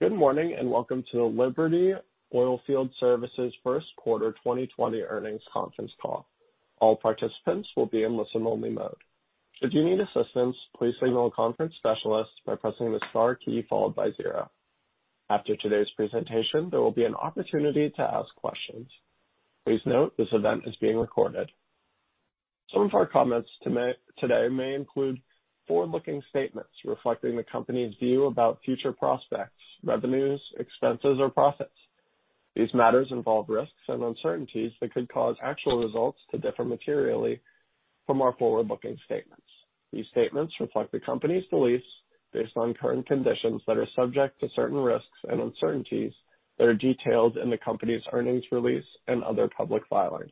Good morning, welcome to Liberty Energy's first quarter 2020 earnings conference call. All participants will be in listen only mode. Should you need assistance, please signal a conference specialist by pressing the star key followed by zero. After today's presentation, there will be an opportunity to ask questions. Please note this event is being recorded. Some of our comments today may include forward-looking statements reflecting the company's view about future prospects, revenues, expenses, or profits. These matters involve risks and uncertainties that could cause actual results to differ materially from our forward-looking statements. These statements reflect the company's beliefs based on current conditions that are subject to certain risks and uncertainties that are detailed in the company's earnings release and other public filings.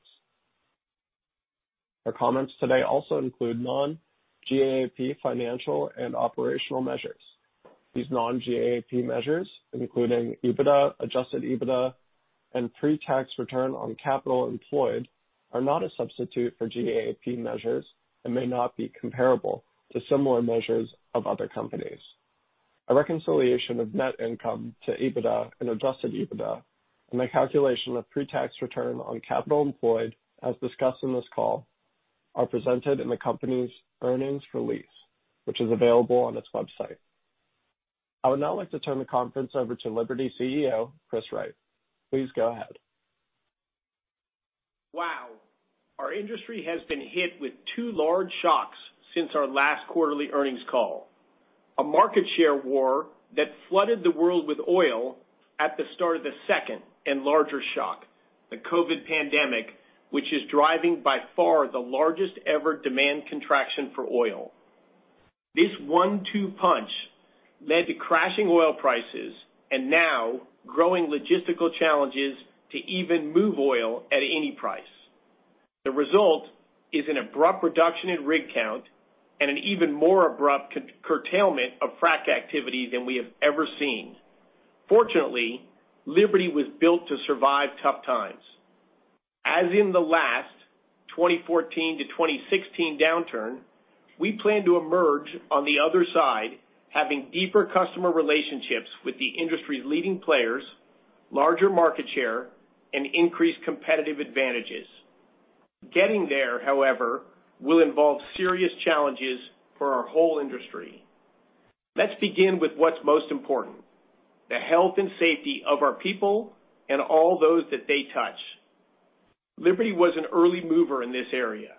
Our comments today also include non-GAAP financial and operational measures. These non-GAAP measures, including EBITDA, Adjusted EBITDA, and pre-tax return on capital employed, are not a substitute for GAAP measures and may not be comparable to similar measures of other companies. A reconciliation of net income to EBITDA and Adjusted EBITDA and the calculation of pre-tax return on capital employed, as discussed in this call, are presented in the company's earnings release, which is available on its website. I would now like to turn the conference over to Liberty CEO, Chris Wright. Please go ahead. Wow. Our industry has been hit with two large shocks since our last quarterly earnings call. A market share war that flooded the world with oil at the start of the second and larger shock, the COVID pandemic, which is driving by far the largest ever demand contraction for oil. This one-two punch led to crashing oil prices and now growing logistical challenges to even move oil at any price. The result is an abrupt reduction in rig count and an even more abrupt curtailment of frack activity than we have ever seen. Fortunately, Liberty was built to survive tough times. As in the last 2014 to 2016 downturn, we plan to emerge on the other side having deeper customer relationships with the industry's leading players, larger market share, and increased competitive advantages. Getting there, however, will involve serious challenges for our whole industry. Let's begin with what's most important, the health and safety of our people and all those that they touch. Liberty was an early mover in this area.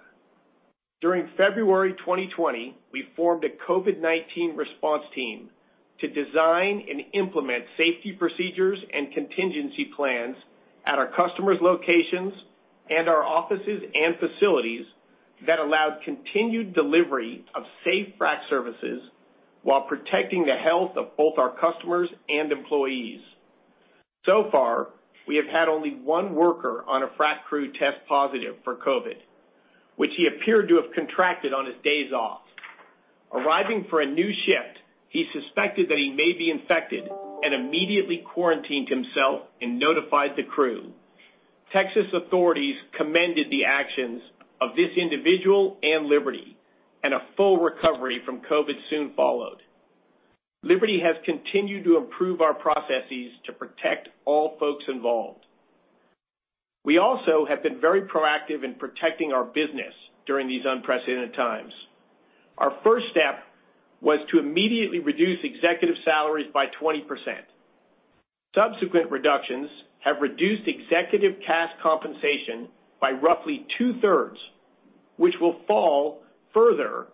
During February 2020, we formed a COVID-19 response team to design and implement safety procedures and contingency plans at our customers' locations and our offices and facilities that allowed continued delivery of safe frack services while protecting the health of both our customers and employees. We have had only one worker on a frack crew test positive for COVID, which he appeared to have contracted on his days off. Arriving for a new shift, he suspected that he may be infected and immediately quarantined himself and notified the crew. Texas authorities commended the actions of this individual and Liberty, and a full recovery from COVID soon followed. Liberty has continued to improve our processes to protect all folks involved. We also have been very proactive in protecting our business during these unprecedented times. Our first step was to immediately reduce executive salaries by 20%. Subsequent reductions have reduced executive cash compensation by roughly two-thirds, which will fall further,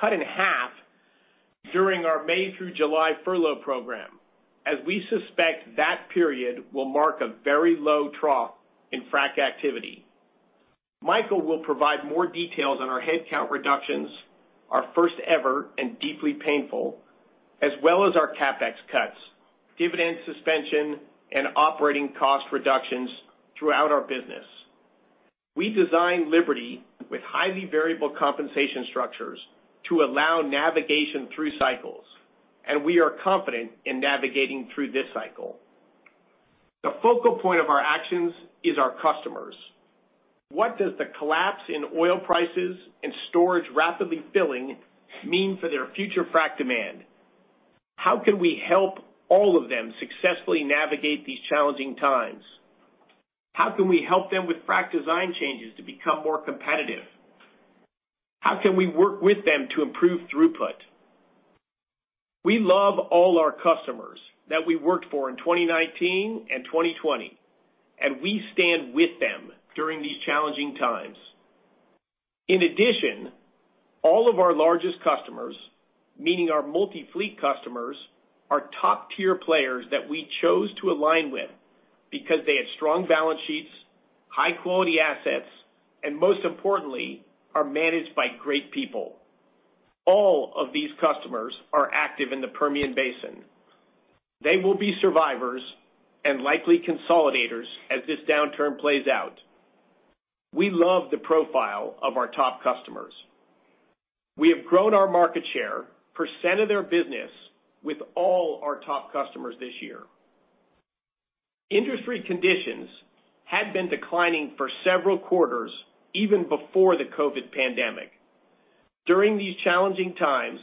cut in half, during our May through July furlough program, as we suspect that period will mark a very low trough in frack activity. Michael will provide more details on our headcount reductions, our first ever and deeply painful, as well as our CapEx cuts, dividend suspension, and operating cost reductions throughout our business. We designed Liberty with highly variable compensation structures to allow navigation through cycles, and we are confident in navigating through this cycle. The focal point of our actions is our customers. What does the collapse in oil prices and storage rapidly filling mean for their future frack demand? How can we help all of them successfully navigate these challenging times? How can we help them with frack design changes to become more competitive? How can we work with them to improve throughput? We love all our customers that we worked for in 2019 and 2020, and we stand with them during these challenging times. In addition, all of our largest customers, meaning our multi-fleet customers, are top-tier players that we chose to align with because they have strong balance sheets, high-quality assets, and most importantly, are managed by great people. All of these customers are active in the Permian Basin. They will be survivors and likely consolidators as this downturn plays out. We love the profile of our top customers. We have grown our market share, percent of their business, with all our top customers this year. Industry conditions had been declining for several quarters even before the COVID pandemic. During these challenging times,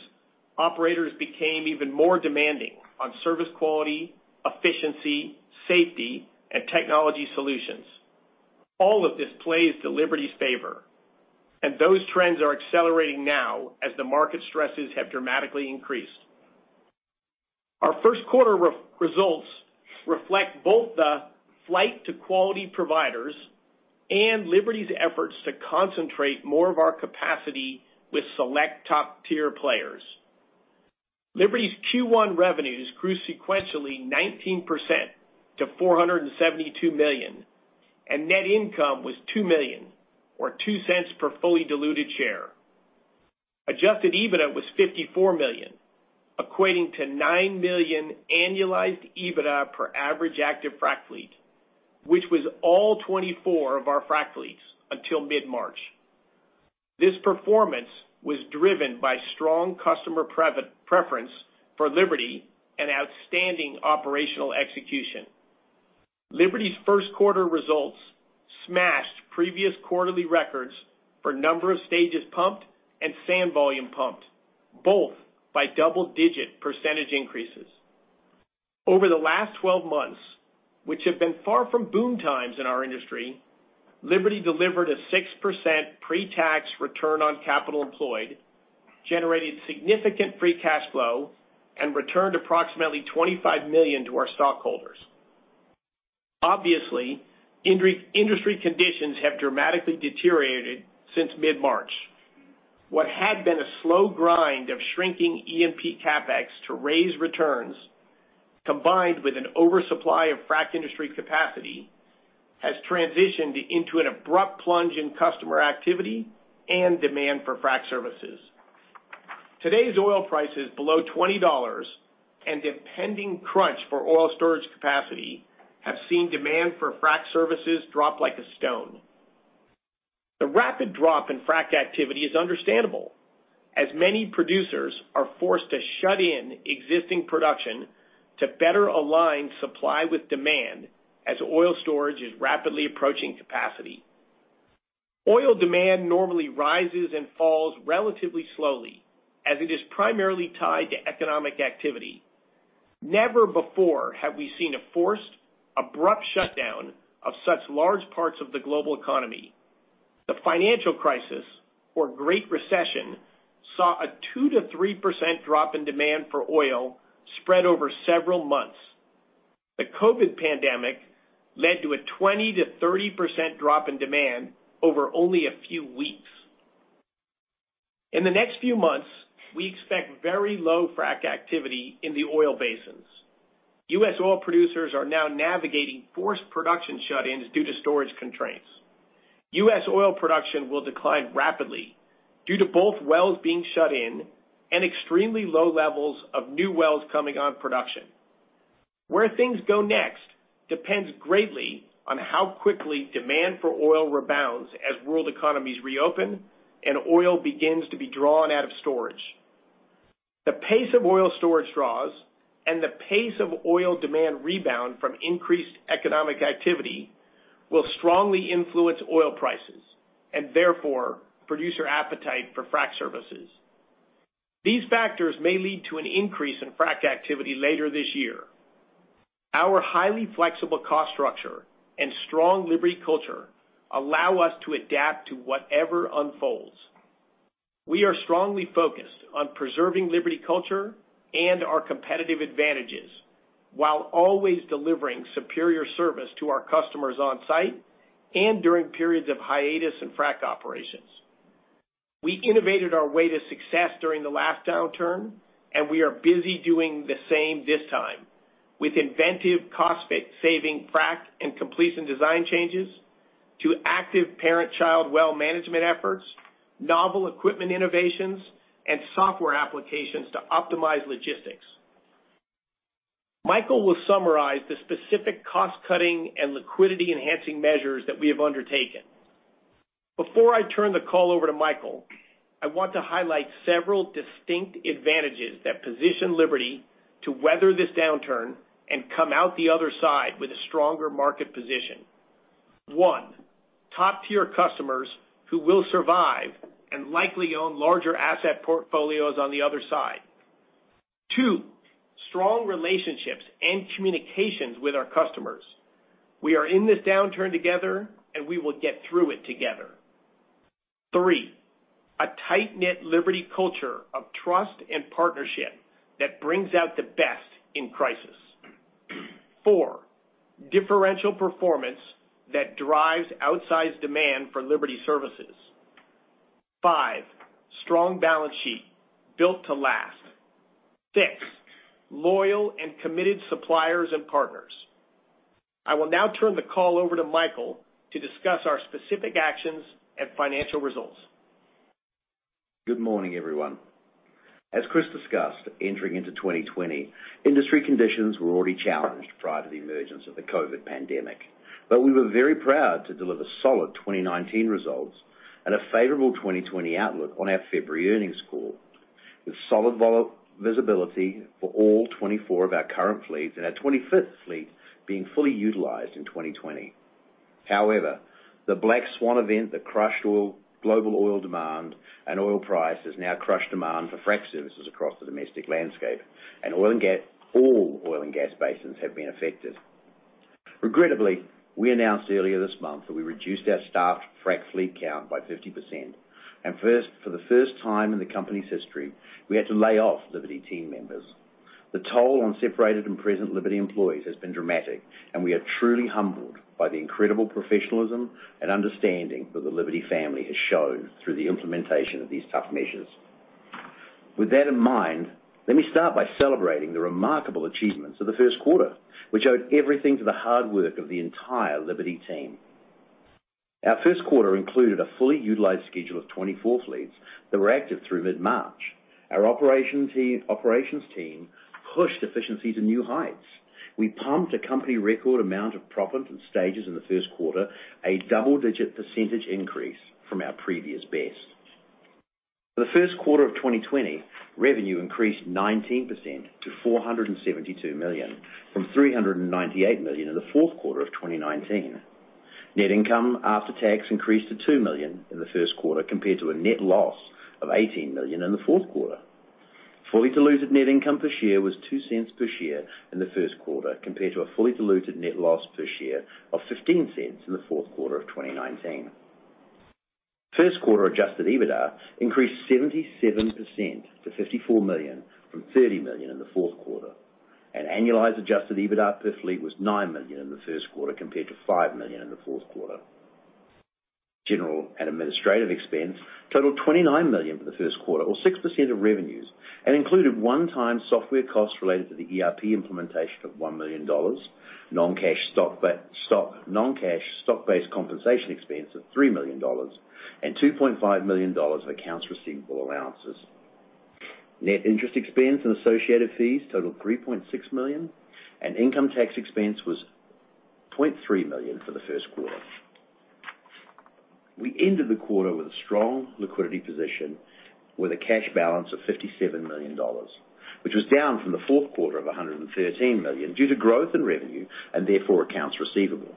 operators became even more demanding on service quality, efficiency, safety, and technology solutions. All of this plays to Liberty's favor, and those trends are accelerating now as the market stresses have dramatically increased. Our first quarter results reflect both the flight to quality providers and Liberty's efforts to concentrate more of our capacity with select top-tier players. Liberty's Q1 revenues grew sequentially 19% to $472 million, and net income was $2 million, or $0.02 per fully diluted share. Adjusted EBITDA was $54 million, equating to $9 million annualized EBITDA per average active frac fleet, which was all 24 of our frac fleets until mid-March. This performance was driven by strong customer preference for Liberty and outstanding operational execution. Liberty's first quarter results smashed previous quarterly records for number of stages pumped and sand volume pumped, both by double-digit percentage increases. Over the last 12 months, which have been far from boom times in our industry, Liberty delivered a 6% pre-tax return on capital employed, generated significant free cash flow, and returned approximately $25 million to our stockholders. Obviously, industry conditions have dramatically deteriorated since mid-March. What had been a slow grind of shrinking E&P CapEx to raise returns, combined with an oversupply of frac industry capacity, has transitioned into an abrupt plunge in customer activity and demand for frac services. Today's oil prices below $20 and impending crunch for oil storage capacity have seen demand for frac services drop like a stone. The rapid drop in frac activity is understandable, as many producers are forced to shut in existing production to better align supply with demand, as oil storage is rapidly approaching capacity. Oil demand normally rises and falls relatively slowly, as it is primarily tied to economic activity. Never before have we seen a forced, abrupt shutdown of such large parts of the global economy. The financial crisis, or Great Recession, saw a 2%-3% drop in demand for oil spread over several months. The COVID pandemic led to a 20%-30% drop in demand over only a few weeks. In the next few months, we expect very low frac activity in the oil basins. U.S. oil producers are now navigating forced production shut-ins due to storage constraints. U.S. oil production will decline rapidly due to both wells being shut in and extremely low levels of new wells coming on production. Where things go next depends greatly on how quickly demand for oil rebounds as world economies reopen and oil begins to be drawn out of storage. The pace of oil storage draws and the pace of oil demand rebound from increased economic activity will strongly influence oil prices and therefore producer appetite for frac services. These factors may lead to an increase in frac activity later this year. Our highly flexible cost structure and strong Liberty culture allow us to adapt to whatever unfolds. We are strongly focused on preserving Liberty culture and our competitive advantages while always delivering superior service to our customers on-site and during periods of hiatus and frac operations. We innovated our way to success during the last downturn, and we are busy doing the same this time with inventive cost-saving frac and completion design changes to active parent-child well management efforts, novel equipment innovations, and software applications to optimize logistics. Michael will summarize the specific cost-cutting and liquidity-enhancing measures that we have undertaken. Before I turn the call over to Michael, I want to highlight several distinct advantages that position Liberty to weather this downturn and come out the other side with a stronger market position. One, top-tier customers who will survive and likely own larger asset portfolios on the other side. Two, strong relationships and communications with our customers. We are in this downturn together and we will get through it together. Three, a tight-knit Liberty culture of trust and partnership that brings out the best in crisis. Four, differential performance that drives outsized demand for Liberty services. Five, strong balance sheet built to last. Six, loyal and committed suppliers and partners. I will now turn the call over to Michael to discuss our specific actions and financial results. Good morning, everyone. As Chris discussed, entering into 2020, industry conditions were already challenged prior to the emergence of the COVID pandemic. We were very proud to deliver solid 2019 results and a favorable 2020 outlook on our February earnings call. With solid visibility for all 24 of our current fleets and our 25th fleet being fully utilized in 2020. The black swan event that crushed global oil demand and oil price has now crushed demand for frac services across the domestic landscape, and all oil and gas basins have been affected. Regrettably, we announced earlier this month that we reduced our staffed frac fleet count by 50%. For the first time in the company's history, we had to lay off Liberty team members. The toll on separated and present Liberty employees has been dramatic, and we are truly humbled by the incredible professionalism and understanding that the Liberty family has shown through the implementation of these tough measures. With that in mind, let me start by celebrating the remarkable achievements of the first quarter, which owed everything to the hard work of the entire Liberty team. Our first quarter included a fully utilized schedule of 24 fleets that were active through mid-March. Our operations team pushed efficiencies to new heights. We pumped a company record amount of proppants and stages in the first quarter, a double-digit percentage increase from our previous best. For the first quarter of 2020, revenue increased 19% to $472 million, from $398 million in the fourth quarter of 2019. Net income after tax increased to $2 million in the first quarter, compared to a net loss of $18 million in the fourth quarter. Fully diluted net income per share was $0.02 per share in the first quarter, compared to a fully diluted net loss per share of $0.15 in the fourth quarter of 2019. First quarter Adjusted EBITDA increased 77% to $54 million from $30 million in the fourth quarter. Annualized Adjusted EBITDA per fleet was $9 million in the first quarter, compared to $5 million in the fourth quarter. General and administrative expense totaled $29 million for the first quarter, or 6% of revenues, and included one-time software costs related to the ERP implementation of $1 million, non-cash stock-based compensation expense of $3 million, and $2.5 million of accounts receivable allowances. Net interest expense and associated fees totaled $3.6 million. Income tax expense was $0.3 million for the first quarter. We ended the quarter with a strong liquidity position with a cash balance of $57 million, which was down from the fourth quarter of $113 million due to growth in revenue and therefore accounts receivable.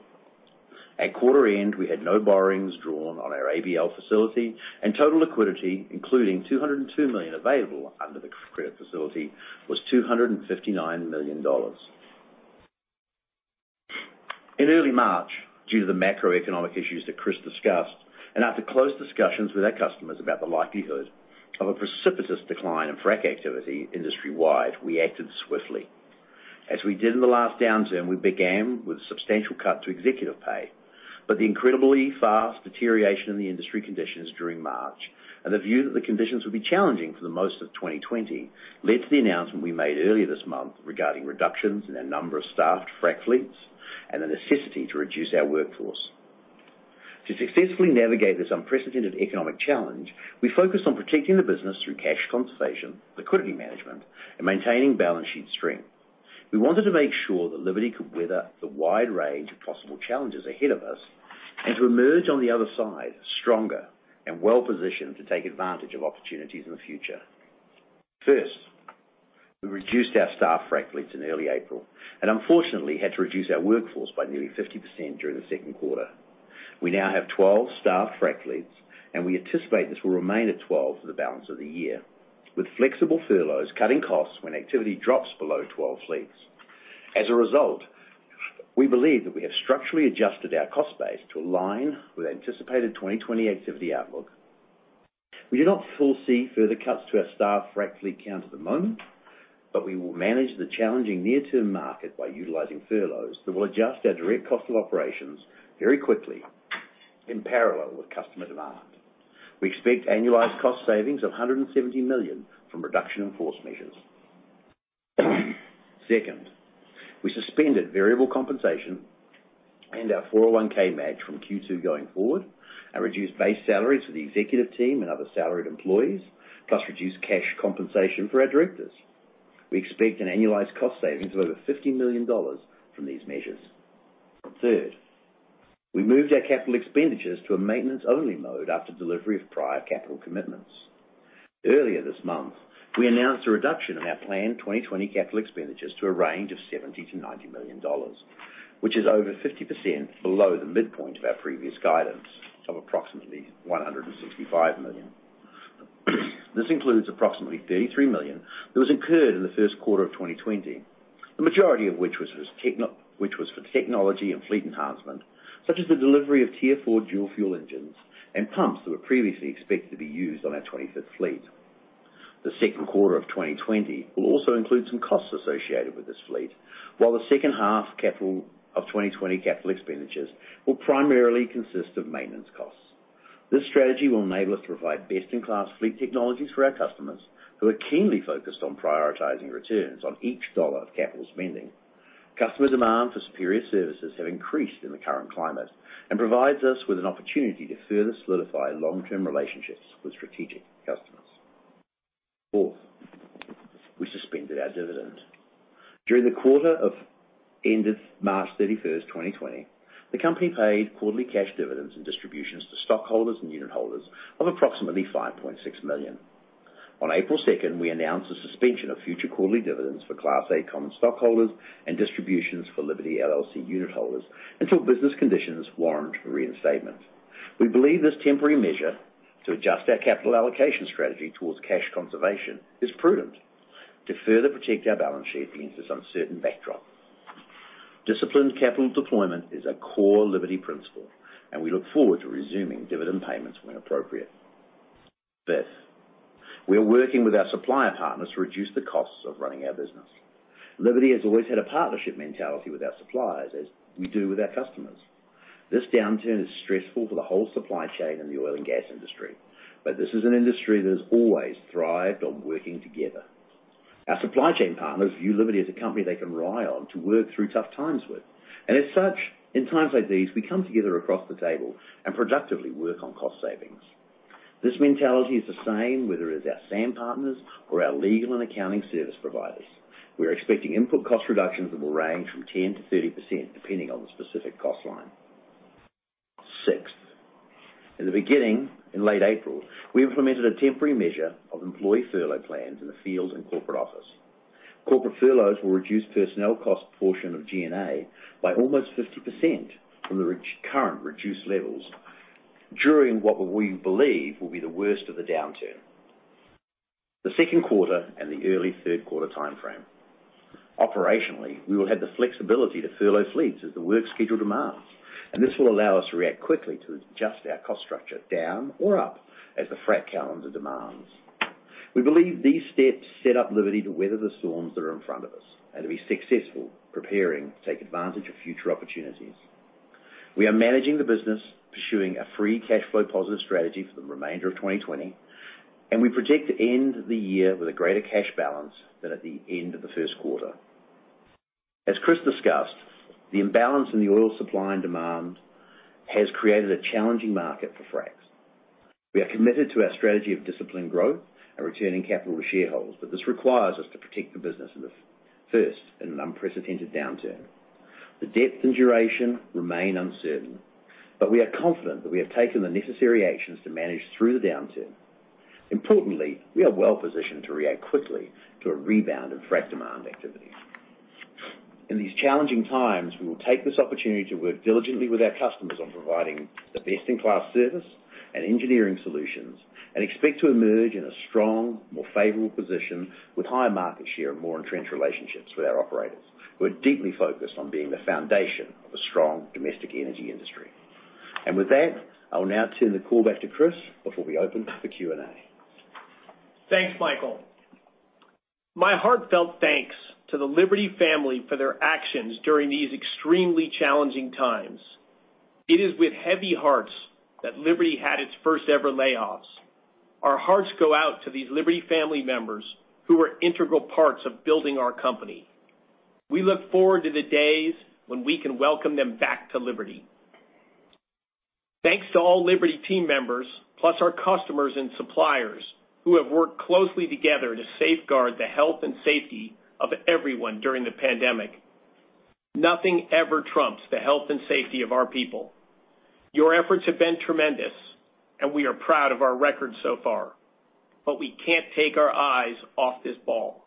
At quarter end, we had no borrowings drawn on our ABL facility, and total liquidity, including $202 million available under the credit facility, was $259 million. In early March, due to the macroeconomic issues that Chris discussed, and after close discussions with our customers about the likelihood of a precipitous decline in frac activity industry-wide, we acted swiftly. As we did in the last downturn, we began with a substantial cut to executive pay, but the incredibly fast deterioration in the industry conditions during March and the view that the conditions would be challenging for the most of 2020 led to the announcement we made earlier this month regarding reductions in our number of staffed frac fleets and the necessity to reduce our workforce. To successfully navigate this unprecedented economic challenge, we focused on protecting the business through cash compensation, liquidity management, and maintaining balance sheet strength. We wanted to make sure that Liberty could weather the wide range of possible challenges ahead of us and to emerge on the other side stronger and well-positioned to take advantage of opportunities in the future. First, we reduced our staffed frac fleets in early April and unfortunately had to reduce our workforce by nearly 50% during the second quarter. We now have 12 staffed frac fleets. We anticipate this will remain at 12 for the balance of the year, with flexible furloughs cutting costs when activity drops below 12 fleets. As a result, we believe that we have structurally adjusted our cost base to align with anticipated 2020 activity outlook. We do not foresee further cuts to our staffed frac fleet count at the moment. We will manage the challenging near-term market by utilizing furloughs that will adjust our direct cost of operations very quickly in parallel with customer demand. We expect annualized cost savings of $170 million from reduction in force measures. Second, we suspended variable compensation and our 401(k) match from Q2 going forward and reduced base salaries for the executive team and other salaried employees, plus reduced cash compensation for our directors. We expect an annualized cost savings of over $50 million from these measures. Third, we moved our capital expenditures to a maintenance-only mode after delivery of prior capital commitments. Earlier this month, we announced a reduction in our planned 2020 capital expenditures to a range of $70 million-$90 million, which is over 50% below the midpoint of our previous guidance of approximately $165 million. This includes approximately $33 million that was incurred in the first quarter of 2020. The majority of which was for technology and fleet enhancement, such as the delivery of Tier 4 dual-fuel engines and pumps that were previously expected to be used on our 25th fleet. The second quarter of 2020 will also include some costs associated with this fleet, while the second half of 2020 capital expenditures will primarily consist of maintenance costs. This strategy will enable us to provide best-in-class fleet technologies for our customers who are keenly focused on prioritizing returns on each dollar of capital spending. Customer demand for superior services have increased in the current climate and provides us with an opportunity to further solidify long-term relationships with strategic customers. Fourth. Our dividends. During the quarter of end of March 31st, 2020, the company paid quarterly cash dividends and distributions to stockholders and unit holders of approximately $5.6 million. On April 2nd, we announced the suspension of future quarterly dividends for Class A common stockholders and distributions for Liberty LLC unit holders until business conditions warrant a reinstatement. We believe this temporary measure to adjust our capital allocation strategy towards cash conservation is prudent to further protect our balance sheet against this uncertain backdrop. Disciplined capital deployment is a core Liberty principle, and we look forward to resuming dividend payments when appropriate. Fifth, we are working with our supplier partners to reduce the costs of running our business. Liberty has always had a partnership mentality with our suppliers as we do with our customers. This downturn is stressful for the whole supply chain in the oil and gas industry, but this is an industry that has always thrived on working together. Our supply chain partners view Liberty as a company they can rely on to work through tough times with. As such, in times like these, we come together across the table and productively work on cost savings. This mentality is the same whether it's our sand partners or our legal and accounting service providers. We're expecting input cost reductions that will range from 10% to 30%, depending on the specific cost line. Sixth, in the beginning, in late April, we implemented a temporary measure of employee furlough plans in the fields and corporate office. Corporate furloughs will reduce personnel cost portion of G&A by almost 50% from the current reduced levels during what we believe will be the worst of the downturn, the second quarter and the early third quarter timeframe. Operationally, we will have the flexibility to furlough fleets as the work schedule demands, and this will allow us to react quickly to adjust our cost structure down or up as the frac calendar demands. We believe these steps set up Liberty to weather the storms that are in front of us and to be successful preparing to take advantage of future opportunities. We are managing the business, pursuing a free cash flow positive strategy for the remainder of 2020. We project to end the year with a greater cash balance than at the end of the first quarter. As Chris discussed, the imbalance in the oil supply and demand has created a challenging market for fracs. We are committed to our strategy of disciplined growth and returning capital to shareholders. This requires us to protect the business first in an unprecedented downturn. The depth and duration remain uncertain. We are confident that we have taken the necessary actions to manage through the downturn. Importantly, we are well-positioned to react quickly to a rebound in frac demand activity. In these challenging times, we will take this opportunity to work diligently with our customers on providing the best-in-class service and engineering solutions and expect to emerge in a strong, more favorable position with higher market share and more entrenched relationships with our operators who are deeply focused on being the foundation of a strong domestic energy industry. With that, I will now turn the call back to Chris before we open for Q&A. Thanks, Michael. My heartfelt thanks to the Liberty family for their actions during these extremely challenging times. It is with heavy hearts that Liberty had its first-ever layoffs. Our hearts go out to these Liberty family members who were integral parts of building our company. We look forward to the days when we can welcome them back to Liberty. Thanks to all Liberty team members, plus our customers and suppliers who have worked closely together to safeguard the health and safety of everyone during the pandemic. Nothing ever trumps the health and safety of our people. Your efforts have been tremendous, and we are proud of our record so far, but we can't take our eyes off this ball.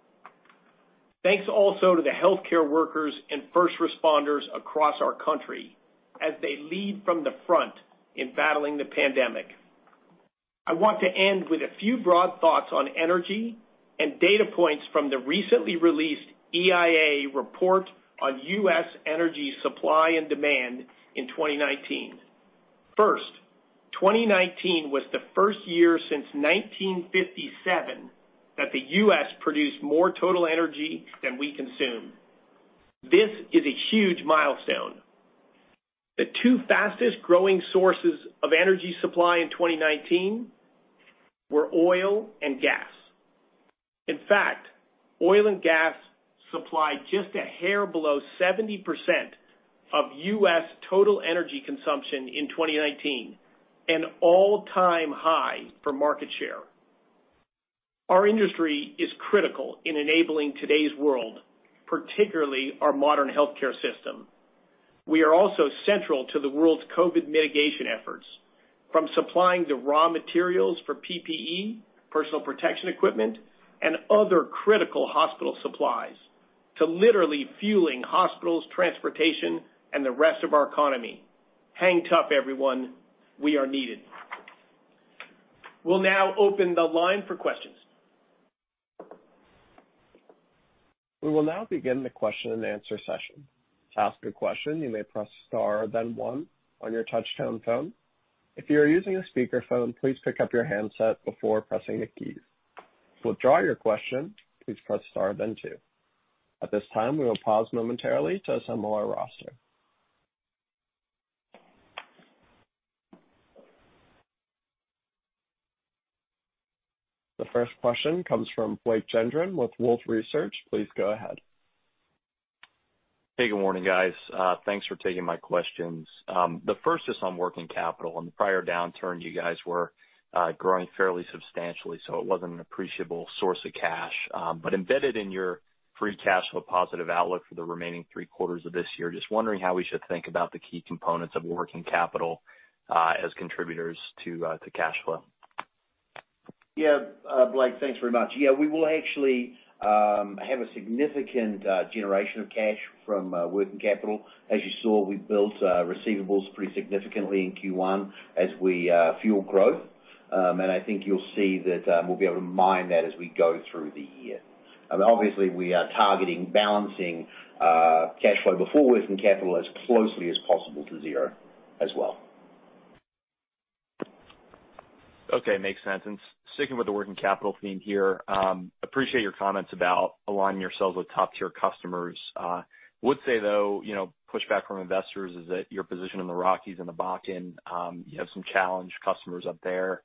Thanks also to the healthcare workers and first responders across our country as they lead from the front in battling the pandemic. I want to end with a few broad thoughts on energy and data points from the recently released EIA report on U.S. energy supply and demand in 2019. First, 2019 was the first year since 1957 that the U.S. produced more total energy than we consume. This is a huge milestone. The two fastest-growing sources of energy supply in 2019 were oil and gas. In fact, oil and gas supplied just a hair below 70% of U.S. total energy consumption in 2019, an all-time high for market share. Our industry is critical in enabling today's world, particularly our modern healthcare system. We are also central to the world's COVID mitigation efforts, from supplying the raw materials for PPE, personal protection equipment, and other critical hospital supplies to literally fueling hospitals, transportation, and the rest of our economy. Hang tough, everyone. We are needed. We'll now open the line for questions. We will now begin the question and answer session. To ask a question, you may press star then one on your touchtone phone. If you are using a speakerphone, please pick up your handset before pressing the keys. To withdraw your question, please press star then two. At this time, we will pause momentarily to assemble our roster. The first question comes from Blake Gendron with Wolfe Research. Please go ahead. Hey, good morning, guys. Thanks for taking my questions. The first is on working capital. In the prior downturn, you guys were growing fairly substantially, so it wasn't an appreciable source of cash. Embedded in your free cash flow positive outlook for the remaining three quarters of this year, just wondering how we should think about the key components of working capital, as contributors to cash flow. Yeah, Blake, thanks very much. We will actually have a significant generation of cash from working capital. As you saw, we built receivables pretty significantly in Q1 as we fuel growth. I think you'll see that we'll be able to mine that as we go through the year. Obviously, we are targeting balancing cash flow before working capital as closely as possible to zero as well. Okay. Makes sense. Sticking with the working capital theme here, appreciate your comments about aligning yourselves with top-tier customers. Would say, though, pushback from investors is that your position in the Rockies and the Bakken, you have some challenged customers up there,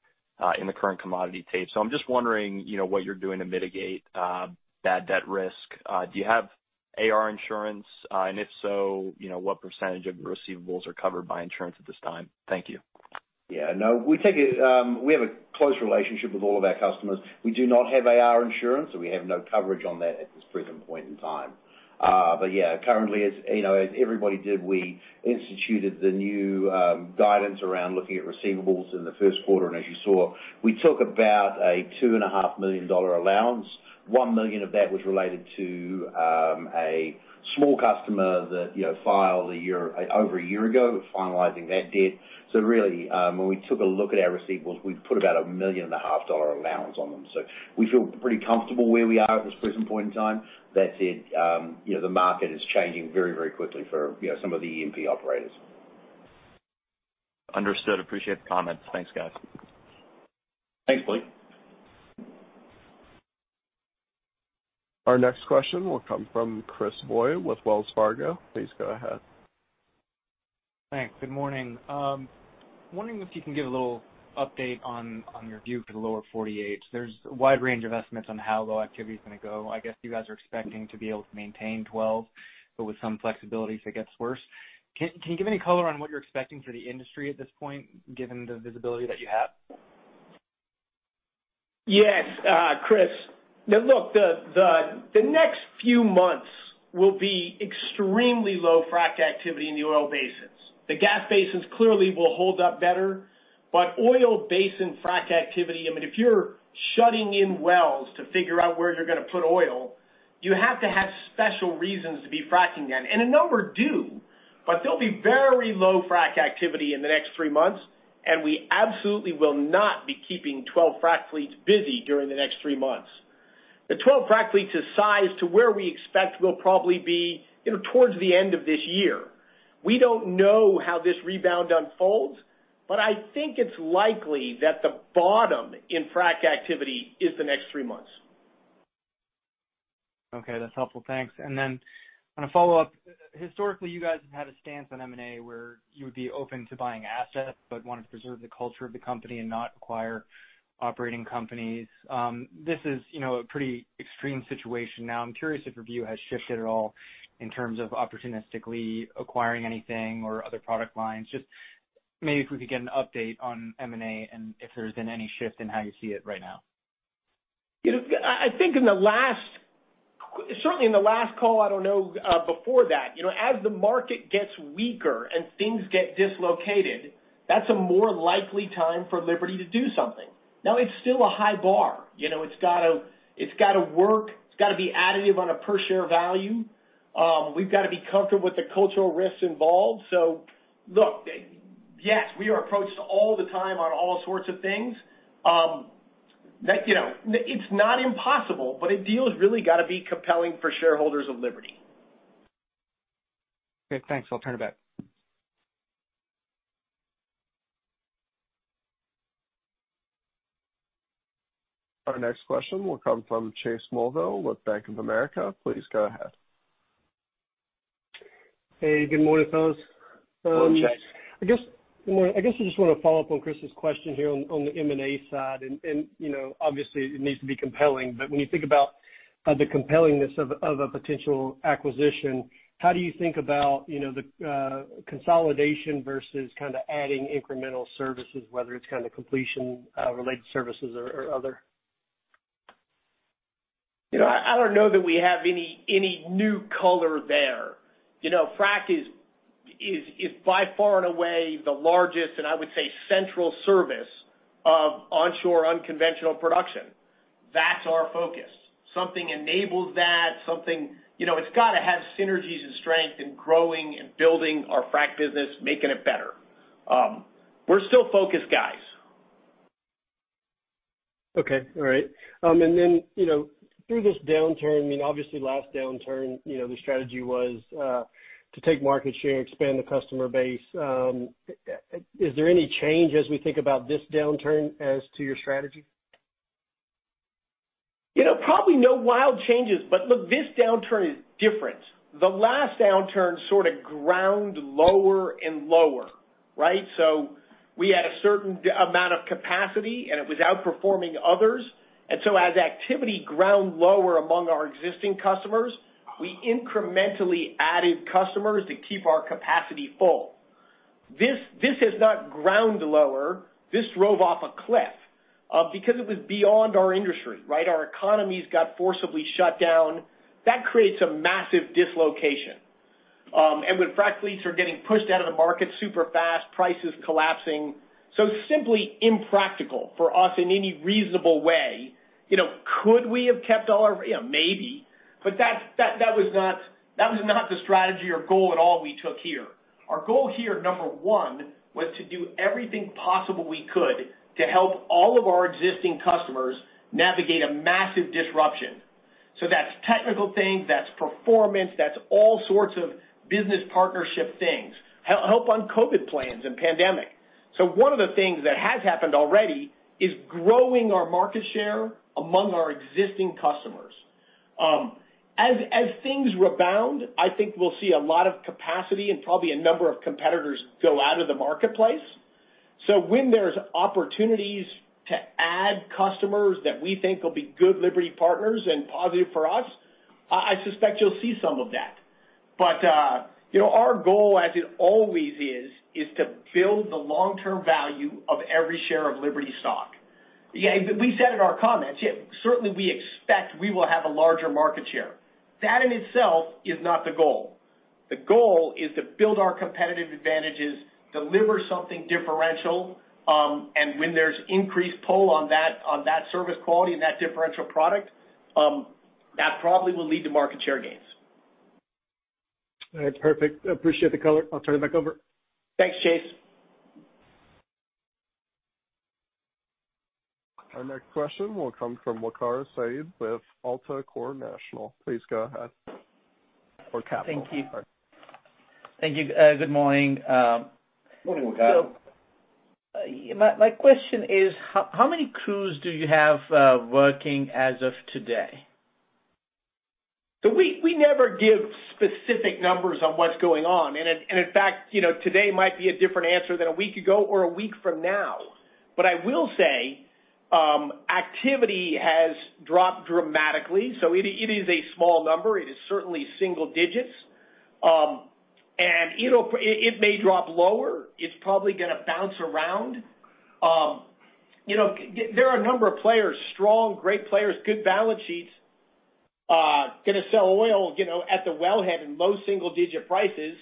in the current commodity tape. I'm just wondering what you're doing to mitigate bad debt risk. Do you have AR insurance? If so, what percentage of your receivables are covered by insurance at this time? Thank you. Yeah. No, we have a close relationship with all of our customers. We do not have AR insurance, so we have no coverage on that at this present point in time. Yeah, currently, as everybody did, we instituted the new guidance around looking at receivables in the first quarter, and as you saw, we took about a $2.5 million allowance. $1 million of that was related to a small customer that filed over a year ago. We're finalizing that debt. Really, when we took a look at our receivables, we put about a $1.5 million allowance on them. We feel pretty comfortable where we are at this present point in time. That said, the market is changing very, very quickly for some of the E&P operators. Understood. Appreciate the comments. Thanks, guys. Thanks, Blake. Our next question will come from Chris Voie with Wells Fargo. Please go ahead. Thanks. Good morning. I'm wondering if you can give a little update on your view for the Lower 48. There's a wide range of estimates on how low activity's gonna go. I guess you guys are expecting to be able to maintain 12, but with some flexibility if it gets worse. Can you give any color on what you're expecting for the industry at this point, given the visibility that you have? Yes, Chris. Look, the next few months will be extremely low frack activity in the oil basins. The gas basins clearly will hold up better, but oil basin frack activity, if you're shutting in wells to figure out where you're gonna put oil, you have to have special reasons to be fracking them. A number do, but there'll be very low frack activity in the next three months, and we absolutely will not be keeping 12 frack fleets busy during the next three months. The 12 frack fleets is sized to where we expect we'll probably be towards the end of this year. We don't know how this rebound unfolds, but I think it's likely that the bottom in frack activity is the next three months. Okay. That's helpful. Thanks. Then on a follow-up, historically, you guys have had a stance on M&A where you would be open to buying assets but want to preserve the culture of the company and not acquire operating companies. This is a pretty extreme situation now. I'm curious if your view has shifted at all in terms of opportunistically acquiring anything or other product lines. Just maybe if we could get an update on M&A and if there's been any shift in how you see it right now. I think certainly in the last call, I don't know, before that, as the market gets weaker and things get dislocated, that's a more likely time for Liberty to do something. Now it's still a high bar. It's got to work. It's got to be additive on a per-share value. We've got to be comfortable with the cultural risks involved. Look, yes, we are approached all the time on all sorts of things. It's not impossible, but a deal has really got to be compelling for shareholders of Liberty. Okay, thanks. I'll turn it back. Our next question will come from Chase Mulvehill with Bank of America. Please go ahead. Hey, good morning, fellas. Good morning, Chase. I guess I just want to follow up on Chris's question here on the M&A side. Obviously it needs to be compelling, but when you think about the compellingness of a potential acquisition, how do you think about the consolidation versus adding incremental services, whether it's completion related services or other? I don't know that we have any new color there. Frac is by far and away the largest, and I would say, central service of onshore unconventional production. That's our focus. Something enables that. It's got to have synergies and strength in growing and building our frac business, making it better. We're still focused, guys. Okay. All right. Through this downturn, obviously last downturn, the strategy was to take market share, expand the customer base. Is there any change as we think about this downturn as to your strategy? Probably no wild changes, but look, this downturn is different. The last downturn sort of ground lower and lower, right? We had a certain amount of capacity, and it was outperforming others. As activity ground lower among our existing customers, we incrementally added customers to keep our capacity full. This has not ground lower. This drove off a cliff, because it was beyond our industry, right? Our economies got forcibly shut down. That creates a massive dislocation. With frac fleets are getting pushed out of the market super fast, prices collapsing. Simply impractical for us in any reasonable way. Could we have kept all our Maybe. That was not the strategy or goal at all we took here. Our goal here, number one, was to do everything possible we could to help all of our existing customers navigate a massive disruption. That's technical things, that's performance, that's all sorts of business partnership things, help on COVID plans and pandemic. One of the things that has happened already is growing our market share among our existing customers. As things rebound, I think we'll see a lot of capacity and probably a number of competitors go out of the marketplace. When there's opportunities to add customers that we think will be good Liberty partners and positive for us, I suspect you'll see some of that. Our goal, as it always is to build the long-term value of every share of Liberty stock. We said in our comments, certainly we expect we will have a larger market share. That in itself is not the goal. The goal is to build our competitive advantages, deliver something differential, and when there's increased pull on that service quality and that differential product, that probably will lead to market share gains. All right. Perfect. I appreciate the color. I'll turn it back over. Thanks, Chase. Our next question will come from Waqar Syed with AltaCorp Capital. Please go ahead. Capital. Sorry. Thank you. Good morning. Morning, Waqar. My question is, how many crews do you have working as of today? We never give specific numbers on what's going on. In fact, today might be a different answer than a week ago or a week from now. I will say, activity has dropped dramatically, so it is a small number. It is certainly single digits. It may drop lower. It's probably gonna bounce around. There are a number of players, strong, great players, good balance sheets, gonna sell oil at the wellhead in low single-digit prices.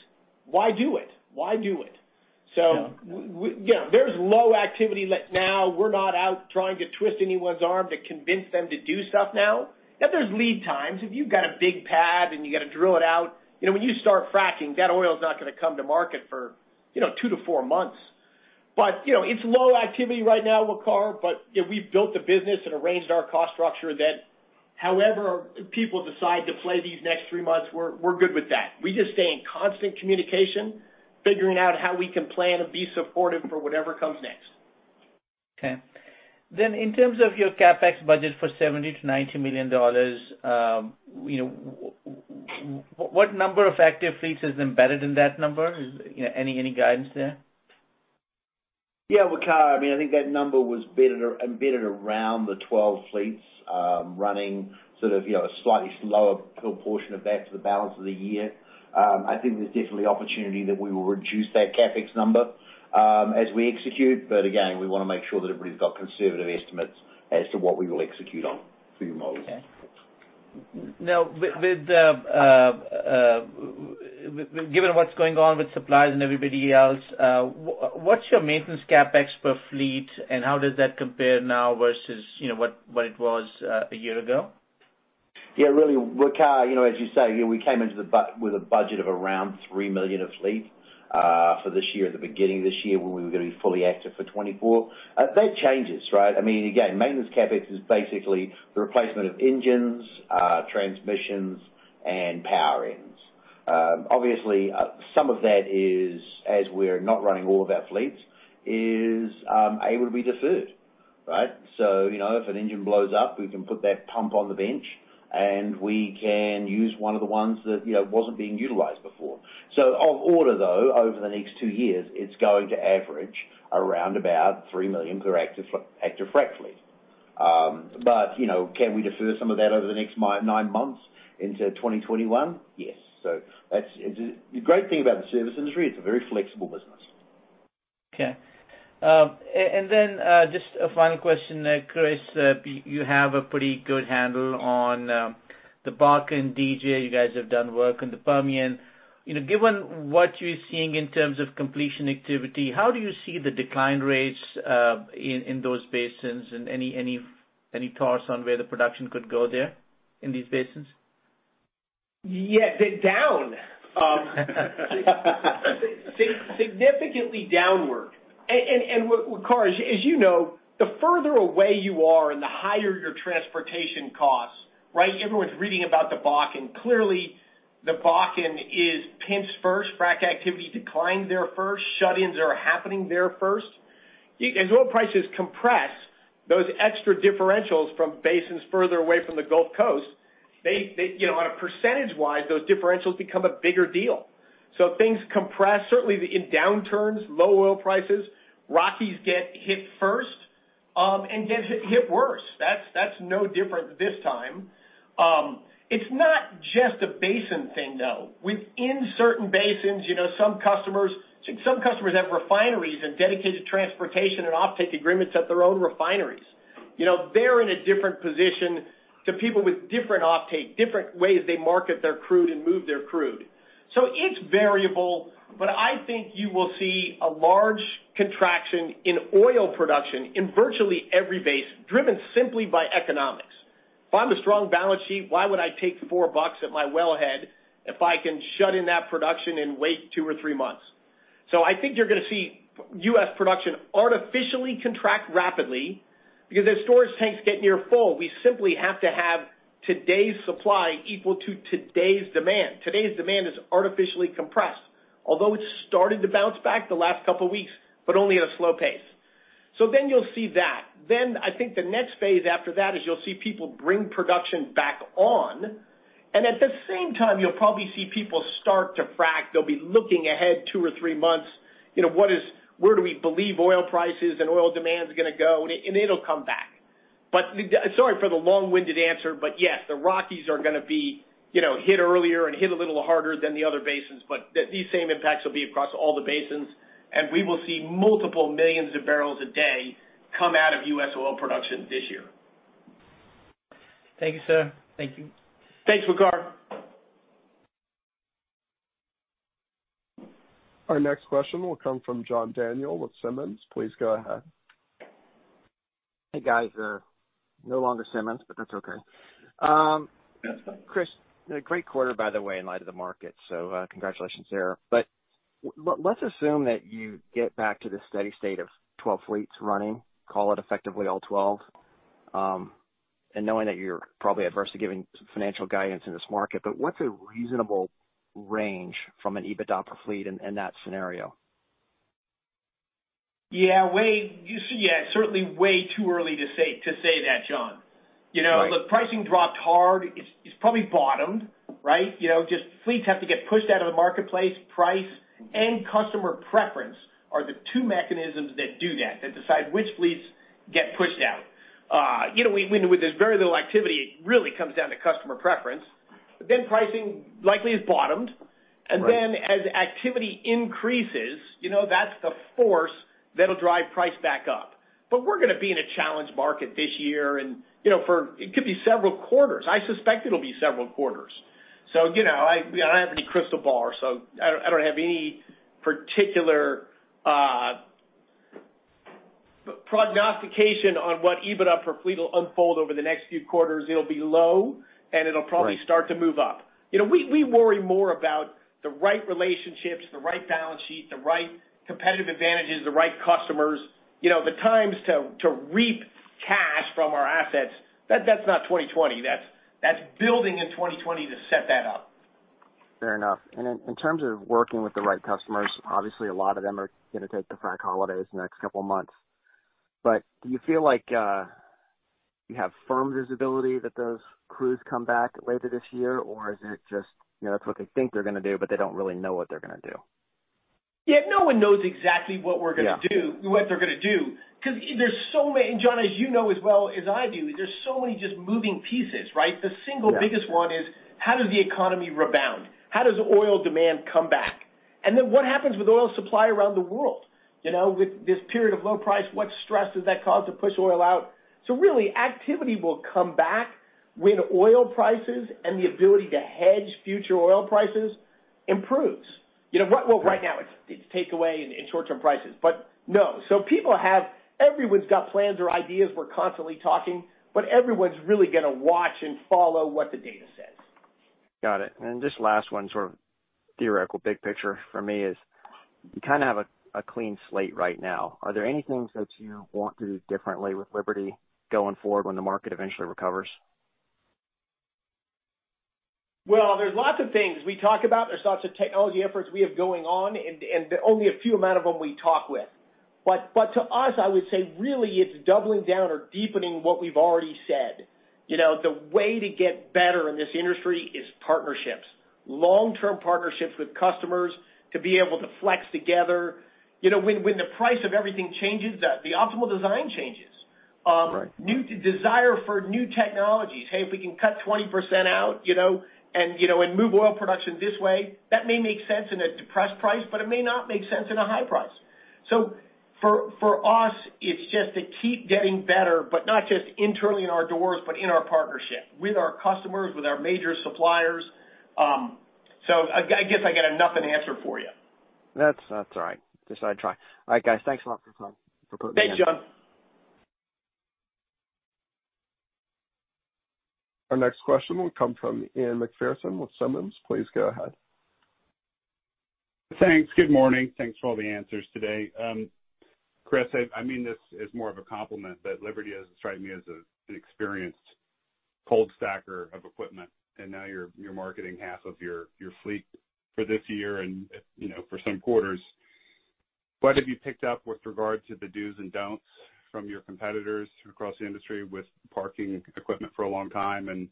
Why do it? Yeah. There's low activity now. We're not out trying to twist anyone's arm to convince them to do stuff now. Yet there's lead times. If you've got a big pad and you got to drill it out, when you start fracking, that oil's not gonna come to market for two to four months. It's low activity right now, Waqar, but we've built the business and arranged our cost structure that however people decide to play these next three months, we're good with that. We just stay in constant communication, figuring out how we can plan and be supportive for whatever comes next. Okay. In terms of your CapEx budget for $70 million-$90 million, what number of active fleets is embedded in that number? Any guidance there? Yeah, Waqar, I think that number was embedded around the 12 fleets running sort of a slightly slower proportion of that to the balance of the year. I think there's definitely opportunity that we will reduce that CapEx number as we execute. Again, we want to make sure that everybody's got conservative estimates as to what we will execute on through the model. Okay. Given what's going on with suppliers and everybody else, what's your maintenance CapEx per fleet, and how does that compare now versus what it was a year ago? Yeah, really, Waqar, as you say, we came in with a budget of around $3 million a fleet for this year, at the beginning of this year, when we were gonna be fully active for 2024. That changes, right? Again, maintenance CapEx is basically the replacement of engines, transmissions, and power ends. Obviously, some of that is, as we're not running all of our fleets, is able to be deferred, right? If an engine blows up, we can put that pump on the bench, and we can use one of the ones that wasn't being utilized before. Of order, though, over the next two years, it's going to average around about $3 million per active frac fleet. Can we defer some of that over the next nine months into 2021? Yes. The great thing about the service industry, it's a very flexible business. Okay. Just a final question. Chris, you have a pretty good handle on the Bakken DJ. You guys have done work on the Permian. Given what you're seeing in terms of completion activity, how do you see the decline rates in those basins, and any thoughts on where the production could go there in these basins? Yeah. They're down. Significantly downward. Waqar, as you know, the further away you are and the higher your transportation costs, right? Everyone's reading about the Bakken. Clearly, the Bakken is pinched first. Frac activity declined there first. Shut-ins are happening there first. As oil prices compress, those extra differentials from basins further away from the Gulf Coast. On a percentage-wise, those differentials become a bigger deal. Things compress. Certainly, in downturns, low oil prices, Rockies get hit first, and get hit worse. That's no different this time. It's not just a basin thing, though. Within certain basins, some customers have refineries and dedicated transportation and offtake agreements at their own refineries. They're in a different position to people with different offtake, different ways they market their crude and move their crude. It's variable, but I think you will see a large contraction in oil production in virtually every basin, driven simply by economics. If I have a strong balance sheet, why would I take $4 at my wellhead if I can shut in that production and wait two or three months? I think you're going to see U.S. production artificially contract rapidly because as storage tanks get near full, we simply have to have today's supply equal to today's demand. Today's demand is artificially compressed. Although it's started to bounce back the last couple of weeks, but only at a slow pace. You'll see that. I think the next phase after that is you'll see people bring production back on, and at the same time, you'll probably see people start to frack. They'll be looking ahead two or three months. Where do we believe oil prices and oil demand is going to go? It'll come back. Sorry for the long-winded answer, but yes, the Rockies are going to be hit earlier and hit a little harder than the other basins, but these same impacts will be across all the basins, and we will see multiple millions of barrels a day come out of U.S. oil production this year. Thank you, sir. Thank you. Thanks, Waqar. Our next question will come from John Daniel with Simmons. Please go ahead. Hey, guys. No longer Simmons, but that's okay. That's fine. Chris, great quarter, by the way, in light of the market, congratulations there. Let's assume that you get back to the steady state of 12 fleets running, call it effectively all 12, and knowing that you're probably adverse to giving financial guidance in this market, but what's a reasonable range from an EBITDA per fleet in that scenario? Yeah. Certainly way too early to say that, John. Right. Look, pricing dropped hard. It's probably bottomed, right? Just fleets have to get pushed out of the marketplace. Price and customer preference are the two mechanisms that do that decide which fleets get pushed out. When there's very little activity, it really comes down to customer preference. Pricing likely has bottomed. Right. As activity increases, that's the force that'll drive price back up. We're going to be in a challenged market this year, and it could be several quarters. I suspect it'll be several quarters. I don't have any crystal ball, I don't have any particular prognostication on what EBITDA per fleet will unfold over the next few quarters. It'll be low. Right Start to move up. We worry more about the right relationships, the right balance sheet, the right competitive advantages, the right customers. The times to reap cash from our assets, that's not 2020. That's building in 2020 to set that up. Fair enough. In terms of working with the right customers, obviously, a lot of them are going to take the frack holidays in the next couple of months. Do you feel like you have firm visibility that those crews come back later this year? Is it just that's what they think they're going to do, but they don't really know what they're going to do? Yeah, no one knows exactly what we're going to do. Yeah what they're going to do because there's so many, John, as you know as well as I do, there's so many just moving pieces, right? Yeah. The single biggest one is how does the economy rebound? How does oil demand come back? What happens with oil supply around the world? With this period of low price, what stress does that cause to push oil out? Really, activity will come back when oil prices and the ability to hedge future oil prices improves. Right. Right now, it's take away in short-term prices. No. Everyone's got plans or ideas. We're constantly talking, but everyone's really going to watch and follow what the data says. Got it. Just last one, sort of theoretical big picture for me is you kind of have a clean slate right now. Are there any things that you want to do differently with Liberty going forward when the market eventually recovers? Well, there's lots of things we talk about. There's lots of technology efforts we have going on, and only a few amount of them we talk with. To us, I would say, really, it's doubling down or deepening what we've already said. The way to get better in this industry is partnerships. Long-term partnerships with customers to be able to flex together. When the price of everything changes, the optimal design changes. Right. Desire for new technologies. Hey, if we can cut 20% out, and move oil production this way, that may make sense in a depressed price, but it may not make sense in a high price. For us, it's just to keep getting better, but not just internally in our doors, but in our partnership with our customers, with our major suppliers. I guess I got a nothing answer for you. That's all right. Just thought I'd try. All right, guys, thanks a lot for putting me on. Thanks, John. Our next question will come from Ian Macpherson with Simmons. Please go ahead. Thanks. Good morning. Thanks for all the answers today. Chris, I mean this as more of a compliment, but Liberty has struck me as an experienced cold stacker of equipment, and now you're marketing half of your fleet for this year and for some quarters. What have you picked up with regard to the dos and don'ts from your competitors across the industry with parking equipment for a long time, and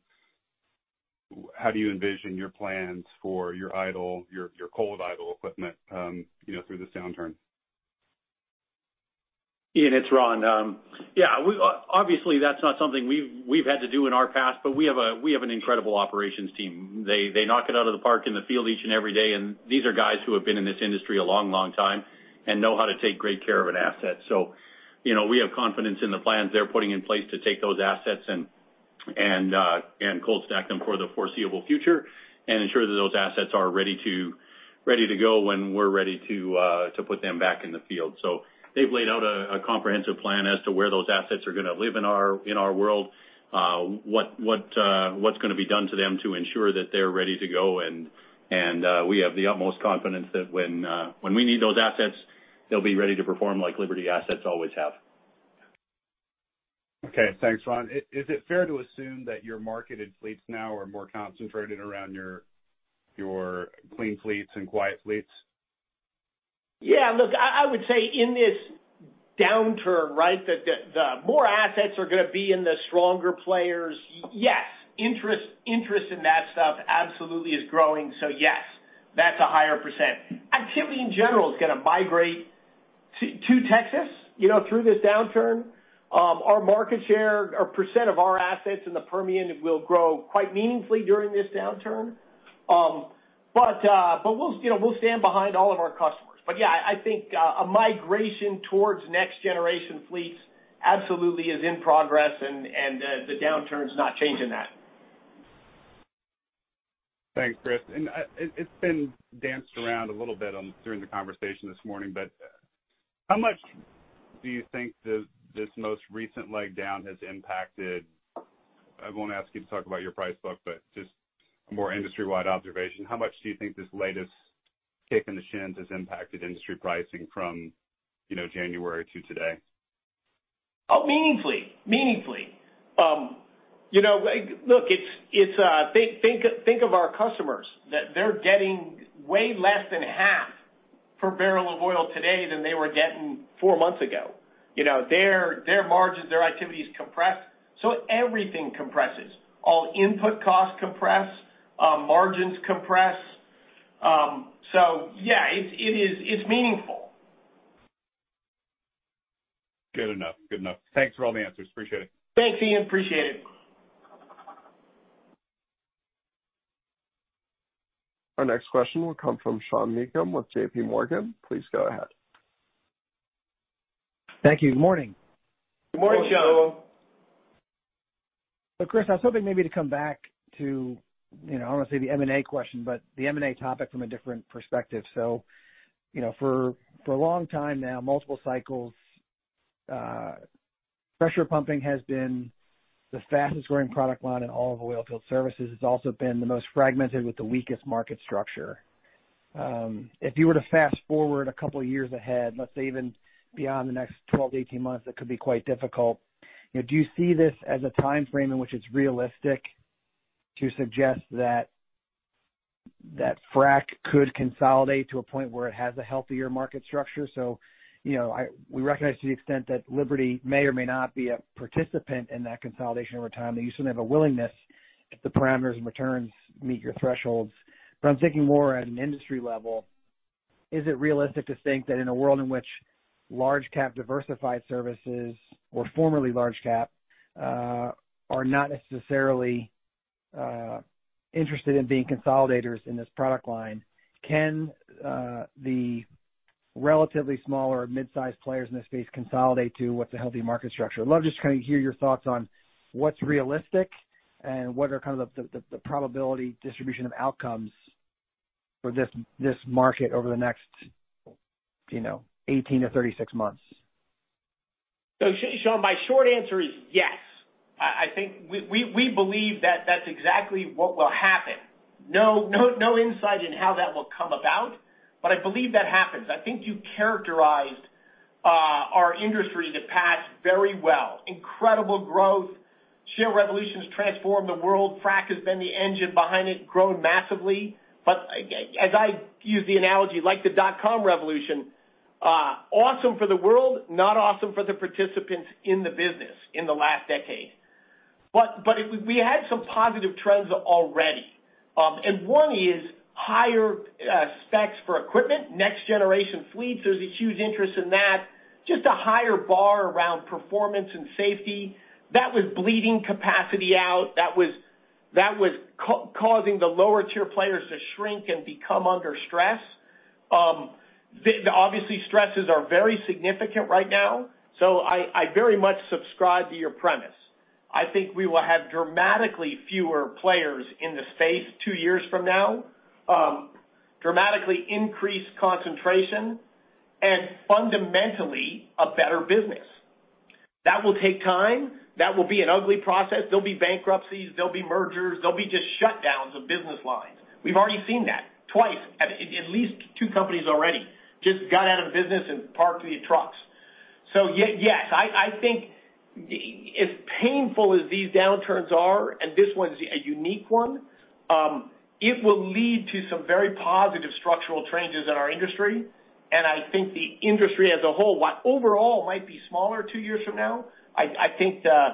how do you envision your plans for your cold idle equipment through this downturn? Ian, it's Ron. Yeah. Obviously, that's not something we've had to do in our past, but we have an incredible operations team. They knock it out of the park in the field each and every day. These are guys who have been in this industry a long time and know how to take great care of an asset. We have confidence in the plans they're putting in place to take those assets and cold stack them for the foreseeable future and ensure that those assets are ready to go when we're ready to put them back in the field. They've laid out a comprehensive plan as to where those assets are going to live in our world, what's going to be done to them to ensure that they're ready to go, and we have the utmost confidence that when we need those assets, they'll be ready to perform like Liberty assets always have. Okay. Thanks, Ron. Is it fair to assume that your marketed fleets now are more concentrated around your clean fleets and quiet fleets? Yeah, look, I would say in this downturn, right? The more assets are going to be in the stronger players. Yes, interest in that stuff absolutely is growing. Yes, that's a higher %. Activity in general is going to migrate to Texas through this downturn. Our market share or % of our assets in the Permian will grow quite meaningfully during this downturn. We'll stand behind all of our customers. Yeah, I think a migration towards next generation fleets absolutely is in progress and the downturn's not changing that. Thanks, Chris. It's been danced around a little bit during the conversation this morning, but how much do you think this most recent leg down has impacted, I won't ask you to talk about your price book, but just a more industry-wide observation. How much do you think this latest kick in the shins has impacted industry pricing from January to today? Meaningfully. Think of our customers, that they're getting way less than half per barrel of oil today than they were getting four months ago. Their margins, their activity is compressed. Everything compresses. All input costs compress, margins compress. Yeah, it's meaningful. Good enough. Thanks for all the answers. Appreciate it. Thanks, Ian. Appreciate it. Our next question will come from Sean Meakim with JPMorgan. Please go ahead. Thank you. Good morning. Good morning, Sean. Hello. Chris, I was hoping maybe to come back to, I don't want to say the M&A question, but the M&A topic from a different perspective. For a long time now, multiple cycles, pressure pumping has been the fastest growing product line in all of oil field services. It's also been the most fragmented with the weakest market structure. If you were to fast-forward a couple of years ahead, let's say even beyond the next 12-18 months, that could be quite difficult. Do you see this as a timeframe in which it's realistic to suggest that frack could consolidate to a point where it has a healthier market structure? We recognize to the extent that Liberty may or may not be a participant in that consolidation over time, that you still have a willingness if the parameters and returns meet your thresholds. I'm thinking more at an industry level. Is it realistic to think that in a world in which large cap diversified services, or formerly large cap, are not necessarily interested in being consolidators in this product line, can the relatively smaller mid-size players in this space consolidate to what's a healthy market structure? I'd love just to kind of hear your thoughts on what's realistic and what are kind of the probability distribution of outcomes for this market over the next 18 to 36 months. Sean, my short answer is yes. I think we believe that that's exactly what will happen. No insight in how that will come about, but I believe that happens. I think you characterized our industry the past very well. Incredible growth. Shale Revolution's transformed the world. Frack has been the engine behind it, grown massively. As I use the analogy, like the dot-com revolution, awesome for the world, not awesome for the participants in the business in the last decade. We had some positive trends already. One is higher specs for equipment, next generation fleets. There's a huge interest in that. Just a higher bar around performance and safety. That was bleeding capacity out. That was causing the lower tier players to shrink and become under stress. Obviously, stresses are very significant right now. I very much subscribe to your premise. I think we will have dramatically fewer players in the space two years from now. Dramatically increased concentration and fundamentally a better business. That will take time. That will be an ugly process. There'll be bankruptcies, there'll be mergers, there'll be just shutdowns of business lines. We've already seen that twice. At least two companies already just got out of business and parked their trucks. Yes, I think as painful as these downturns are, and this one's a unique one, it will lead to some very positive structural changes in our industry. I think the industry as a whole, while overall it might be smaller two years from now, I think the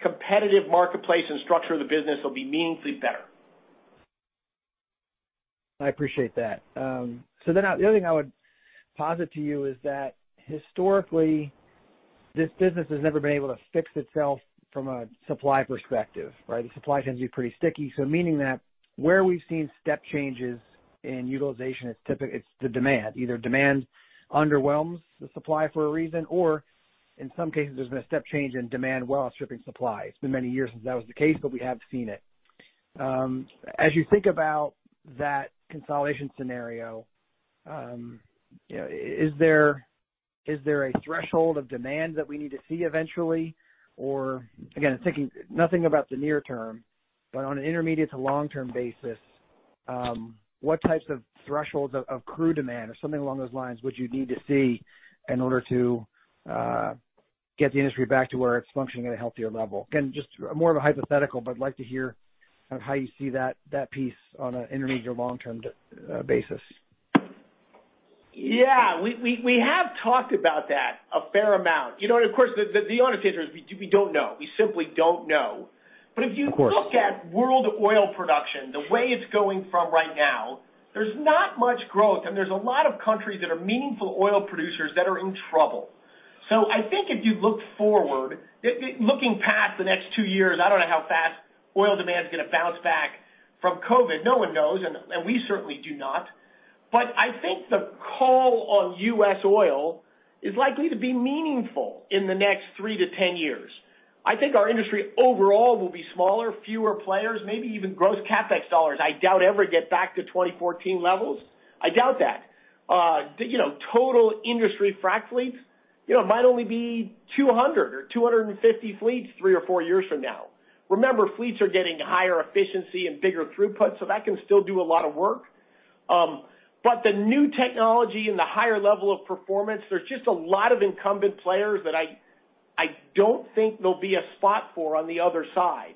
competitive marketplace and structure of the business will be meaningfully better. I appreciate that. The other thing I would posit to you is that historically, this business has never been able to fix itself from a supply perspective, right? The supply tends to be pretty sticky. Meaning that where we've seen step changes in utilization, it's the demand. Either demand underwhelms the supply for a reason, or in some cases, there's been a step change in demand while stripping supply. It's been many years since that was the case, but we have seen it. As you think about that consolidation scenario, is there a threshold of demand that we need to see eventually? Again, I'm thinking nothing about the near term, but on an intermediate to long-term basis, what types of thresholds of crude demand or something along those lines would you need to see in order to get the industry back to where it's functioning at a healthier level? Again, just more of a hypothetical, but I'd like to hear how you see that piece on an intermediate or long-term basis. Yeah. We have talked about that a fair amount. Of course, the honest answer is we don't know. We simply don't know. Of course. If you look at world oil production, the way it's going from right now, there's not much growth, and there's a lot of countries that are meaningful oil producers that are in trouble. I think if you look forward, looking past the next two years, I don't know how fast oil demand's going to bounce back from COVID. No one knows, and we certainly do not. I think the call on U.S. oil is likely to be meaningful in the next 3-10 years. I think our industry overall will be smaller, fewer players, maybe even gross CapEx dollars, I doubt ever get back to 2014 levels. I doubt that. Total industry frack fleets, it might only be 200 or 250 fleets three or four years from now. Remember, fleets are getting higher efficiency and bigger throughput, so that can still do a lot of work. The new technology and the higher level of performance, there's just a lot of incumbent players that I don't think there'll be a spot for on the other side.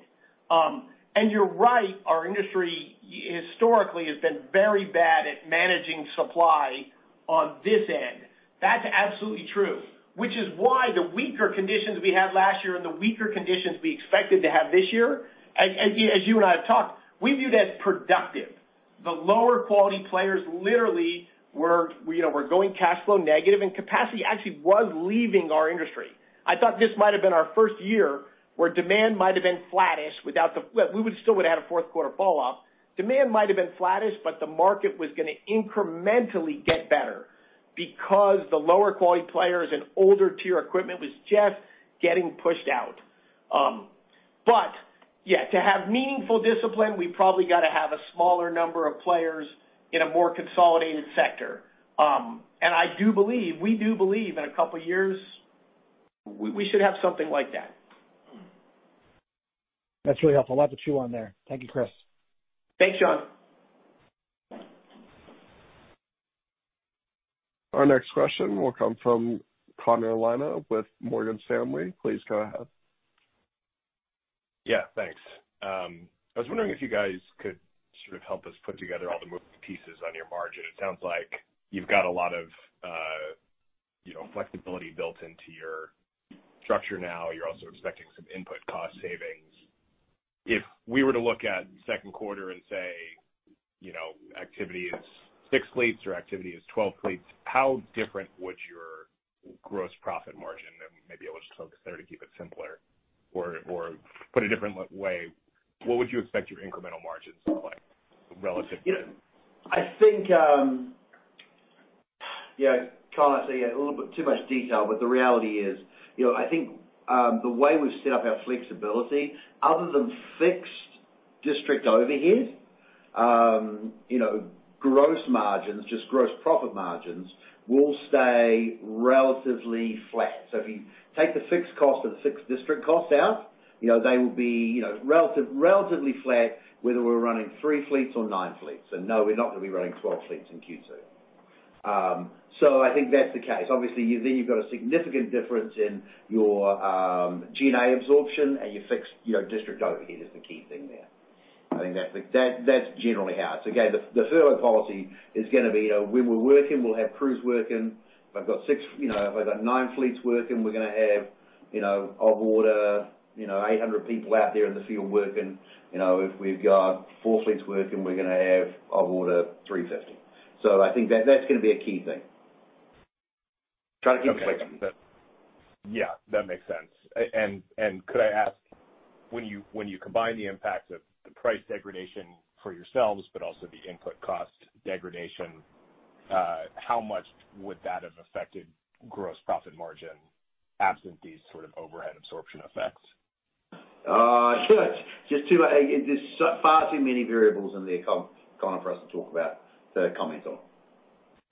You're right, our industry historically has been very bad at managing supply on this end. That's absolutely true, which is why the weaker conditions we had last year and the weaker conditions we expected to have this year, as you and I have talked, we view that as productive. The lower quality players literally were going cash flow negative, and capacity actually was leaving our industry. I thought this might have been our first year where demand might have been flattish without the, we would still would have had a fourth quarter falloff. Demand might have been flattish, the market was going to incrementally get better because the lower quality players and older tier equipment was just getting pushed out. Yeah, to have meaningful discipline, we probably got to have a smaller number of players in a more consolidated sector. I do believe, we do believe in a couple of years, we should have something like that. That's really helpful. I'll have to chew on there. Thank you, Chris. Thanks, John. Our next question will come from Connor Lynagh with Morgan Stanley. Please go ahead. Yeah. Thanks. I was wondering if you guys could sort of help us put together all the moving pieces on your margin. It sounds like you've got a lot of flexibility built into your structure now. You're also expecting some input cost savings. If we were to look at second quarter and say, activity is 6 fleets or activity is 12 fleets, how different would your gross profit margin, and maybe I'll just focus there to keep it simpler. Put a different way, what would you expect your incremental margins to look like relatively? I think, Connor, a little bit too much detail, the reality is, I think the way we've set up our flexibility, other than fixed district overhead, gross profit margins will stay relatively flat. If you take the fixed district cost out, they will be relatively flat, whether we're running 3 fleets or 9 fleets. No, we're not going to be running 12 fleets in Q2. I think that's the case. Obviously, you've got a significant difference in your G&A absorption and your fixed district overhead is the key thing there. I think that's generally how. Again, the furlough policy is going to be when we're working, we'll have crews working. If I've got 9 fleets working, we're going to have of order 800 people out there in the field working. If we've got four fleets working, we're gonna have of order 350. I think that's gonna be a key thing. Trying to keep it flexible. Yeah, that makes sense. Could I ask, when you combine the impact of the price degradation for yourselves, but also the input cost degradation, how much would that have affected gross profit margin absent these sort of overhead absorption effects? Sure. There's far too many variables in there, Connor, for us to talk about, to comment on.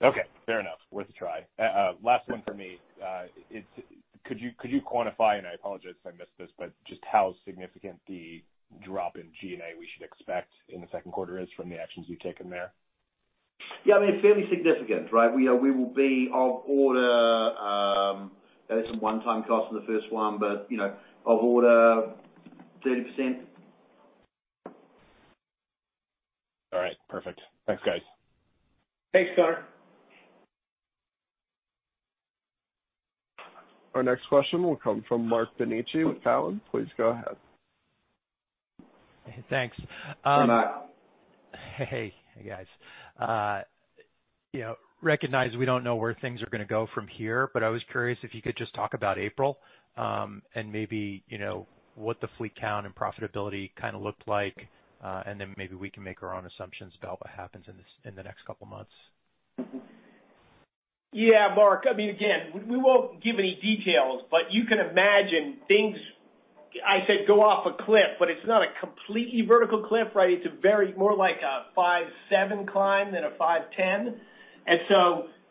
Okay. Fair enough. Worth a try. Last one from me. Could you quantify, and I apologize if I missed this, but just how significant the drop in G&A we should expect in the second quarter is from the actions you've taken there? Yeah, fairly significant. We will be of order, there's some one-time costs in the first one, but of order 30%. All right, perfect. Thanks, guys. Thanks, Connor. Our next question will come from Marc Bianchi with Cowen. Please go ahead. Thanks. Hi, Marc. Hey guys. I recognize we don't know where things are going to go from here, but I was curious if you could just talk about April, and maybe, what the fleet count and profitability kind of looked like, and then maybe we can make our own assumptions about what happens in the next couple of months. Yeah, Marc. Again, we won't give any details, but you can imagine things, I said go off a cliff, but it's not a completely vertical cliff. It's more like a 5.7 climb than a 5.10.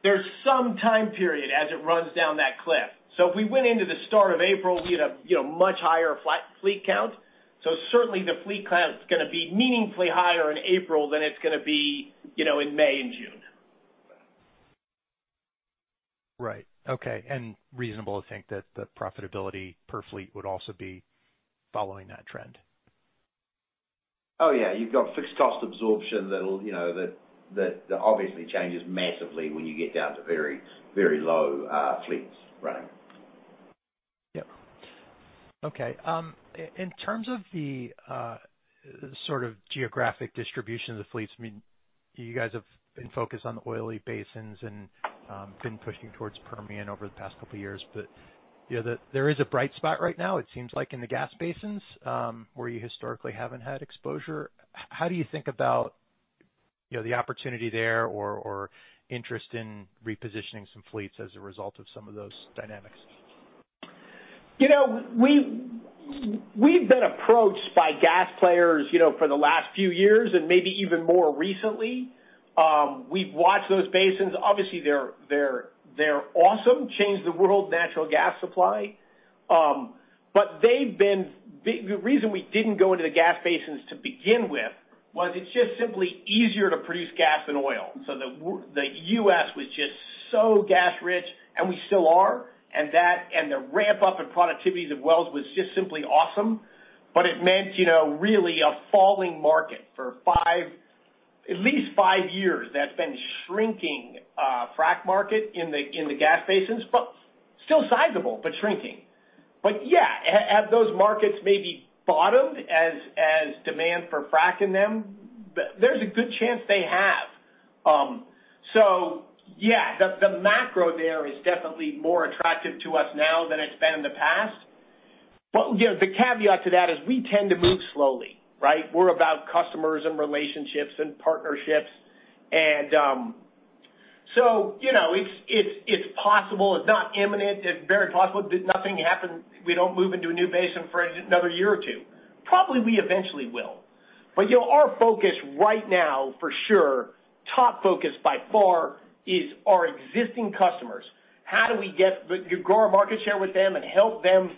There's some time period as it runs down that cliff. If we went into the start of April, we'd have much higher fleet count. Certainly the fleet count is going to be meaningfully higher in April than it's going to be in May and June. Right. Okay. Reasonable to think that the profitability per fleet would also be following that trend. Oh, yeah. You've got fixed cost absorption that obviously changes massively when you get down to very low fleets running. Yep. Okay. In terms of the sort of geographic distribution of the fleets, you guys have been focused on the oily basins and been pushing towards Permian over the past couple of years. There is a bright spot right now, it seems like, in the gas basins, where you historically haven't had exposure. How do you think about the opportunity there or interest in repositioning some fleets as a result of some of those dynamics? We've been approached by gas players for the last few years and maybe even more recently. We've watched those basins. Obviously, they're awesome, changed the world natural gas supply. The reason we didn't go into the gas basins to begin with was it's just simply easier to produce gas than oil. The U.S. was just so gas rich, and we still are, and the ramp up in productivities of wells was just simply awesome. It meant really a falling market for at least five years that's been shrinking frack market in the gas basins, still sizable, but shrinking. Yeah, have those markets maybe bottomed as demand for frack in them? There's a good chance they have. Yeah, the macro there is definitely more attractive to us now than it's been in the past. The caveat to that is we tend to move slowly. We're about customers and relationships and partnerships. It's possible. It's not imminent. It's very possible that nothing happens, we don't move into a new basin for another year or two. Probably we eventually will. Our focus right now, for sure, top focus by far, is our existing customers. How do we grow our market share with them and help them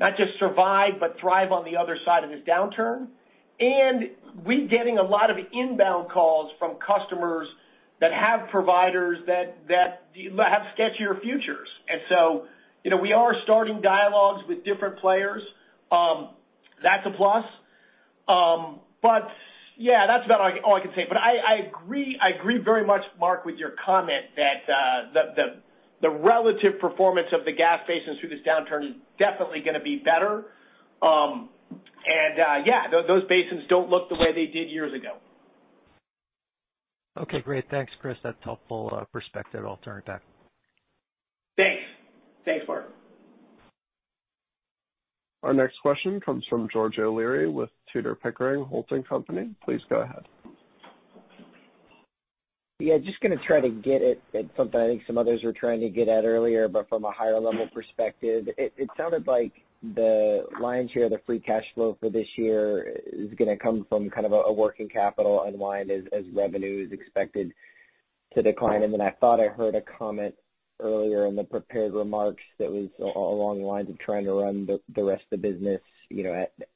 not just survive but thrive on the other side of this downturn? We're getting a lot of inbound calls from customers that have providers that have sketchier futures. We are starting dialogues with different players. That's a plus. Yeah, that's about all I can say. I agree very much, Marc, with your comment that the relative performance of the gas basins through this downturn is definitely going to be better. Yeah, those basins don't look the way they did years ago. Okay, great. Thanks, Chris. That's helpful perspective. I'll turn it back. Thanks. Thanks, Marc. Our next question comes from George O'Leary with Tudor, Pickering, Holt & Co. Please go ahead. Just going to try to get at something I think some others were trying to get at earlier, but from a higher level perspective. It sounded like the lion's share of the free cash flow for this year is going to come from kind of a working capital unwind as revenue is expected to decline. Then I thought I heard a comment earlier in the prepared remarks that was along the lines of trying to run the rest of the business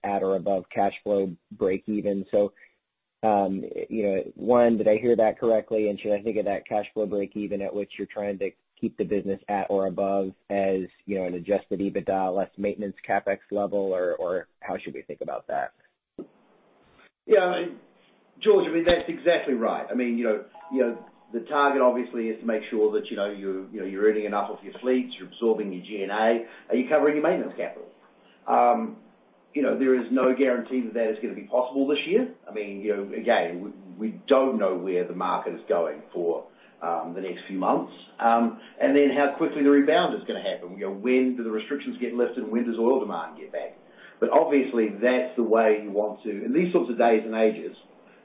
at or above cash flow breakeven. One, did I hear that correctly, and should I think of that cash flow breakeven at which you're trying to keep the business at or above as an Adjusted EBITDA less maintenance CapEx level, or how should we think about that? Yeah. George, that's exactly right. The target obviously is to make sure that you're earning enough off your fleets, you're absorbing your G&A. Are you covering your maintenance capital? There is no guarantee that is going to be possible this year. Again, we don't know where the market is going for the next few months. How quickly the rebound is going to happen. When do the restrictions get lifted and when does oil demand get back? Obviously, that's the way you want to, in these sorts of days and ages,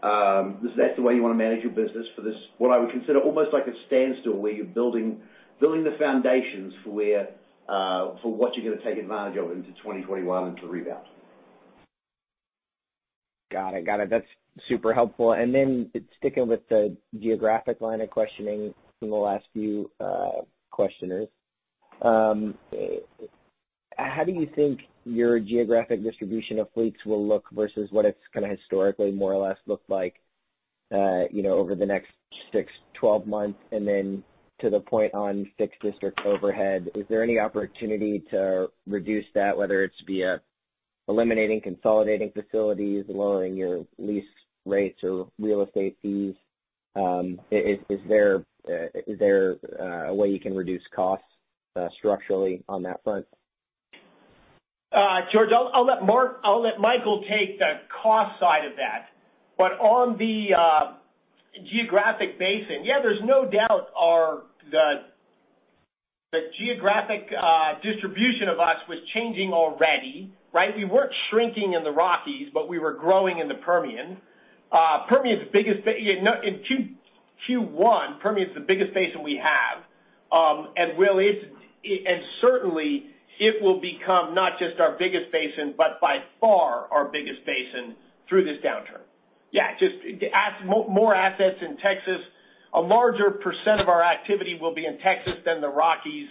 that's the way you want to manage your business for this, what I would consider almost like a standstill where you're building the foundations for what you're going to take advantage of into 2021 into the rebound. Got it. That's super helpful. Then sticking with the geographic line of questioning from the last few questioners. How do you think your geographic distribution of fleets will look versus what it's historically more or less looked like, over the next six, 12 months? Then to the point on fixed district overhead, is there any opportunity to reduce that, whether it's via eliminating consolidating facilities, lowering your lease rates or real estate fees? Is there a way you can reduce costs structurally on that front? George, I'll let Michael take the cost side of that. On the geographic basin, yeah, there's no doubt the geographic distribution of us was changing already, right? We weren't shrinking in the Rockies, but we were growing in the Permian. In Q1, Permian is the biggest basin we have. Certainly, it will become not just our biggest basin, but by far our biggest basin through this downturn. Yeah, just more assets in Texas. A larger % of our activity will be in Texas than the Rockies,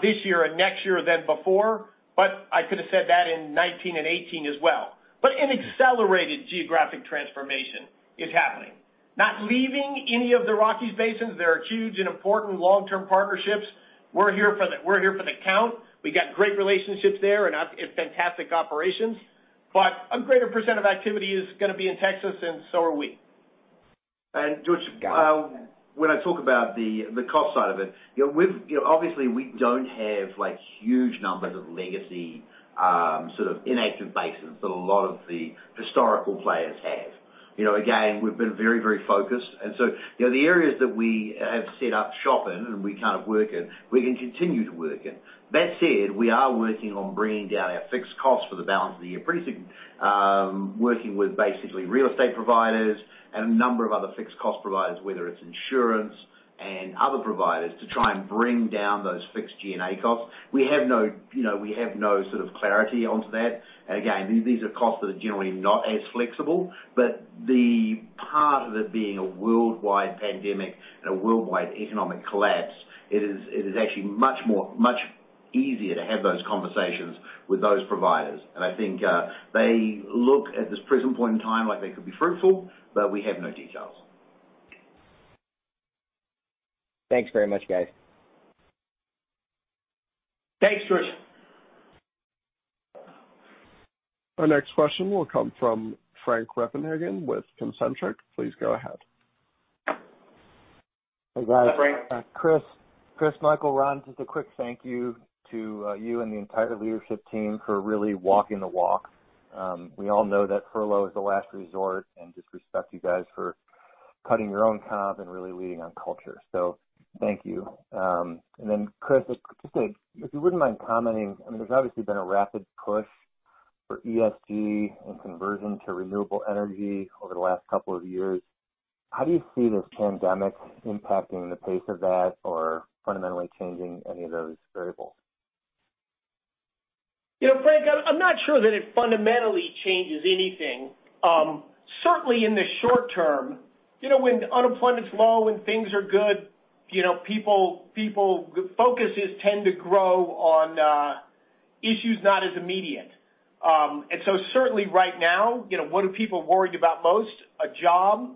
this year and next year than before. I could've said that in 2019 and 2018 as well. An accelerated geographic transformation is happening. Not leaving any of the Rockies basins. They are huge and important long-term partnerships. We're here for the count. We got great relationships there and fantastic operations. A greater % of activity is going to be in Texas, and so are we. George, when I talk about the cost side of it, obviously we don't have huge numbers of legacy inactive basins that a lot of the historical players have. Again, we've been very focused, the areas that we have set up shop in and we work in, we can continue to work in. That said, we are working on bringing down our fixed costs for the balance of the year. Pretty soon, working with basically real estate providers and a number of other fixed cost providers, whether it's insurance and other providers, to try and bring down those fixed G&A costs. We have no sort of clarity onto that. Again, these are costs that are generally not as flexible, but the part of it being a worldwide pandemic and a worldwide economic collapse, it is actually much easier to have those conversations with those providers. I think they look at this present point in time like they could be fruitful, but we have no details. Thanks very much, guys. Thanks, George. Our next question will come from Frank Reppenhagen with Concentric. Please go ahead. Hi, Frank. Chris, Michael, Ron, just a quick thank you to you and the entire leadership team for really walking the walk. We all know that furlough is the last resort, and just respect you guys for cutting your own comp and really leading on culture. Thank you. Chris, if you wouldn't mind commenting, there's obviously been a rapid push for ESG and conversion to renewable energy over the last couple of years. How do you see this pandemic impacting the pace of that or fundamentally changing any of those variables? Frank, I'm not sure that it fundamentally changes anything. Certainly, in the short term. When unemployment's low and things are good, focuses tend to grow on issues not as immediate. Certainly right now, what are people worried about most? A job.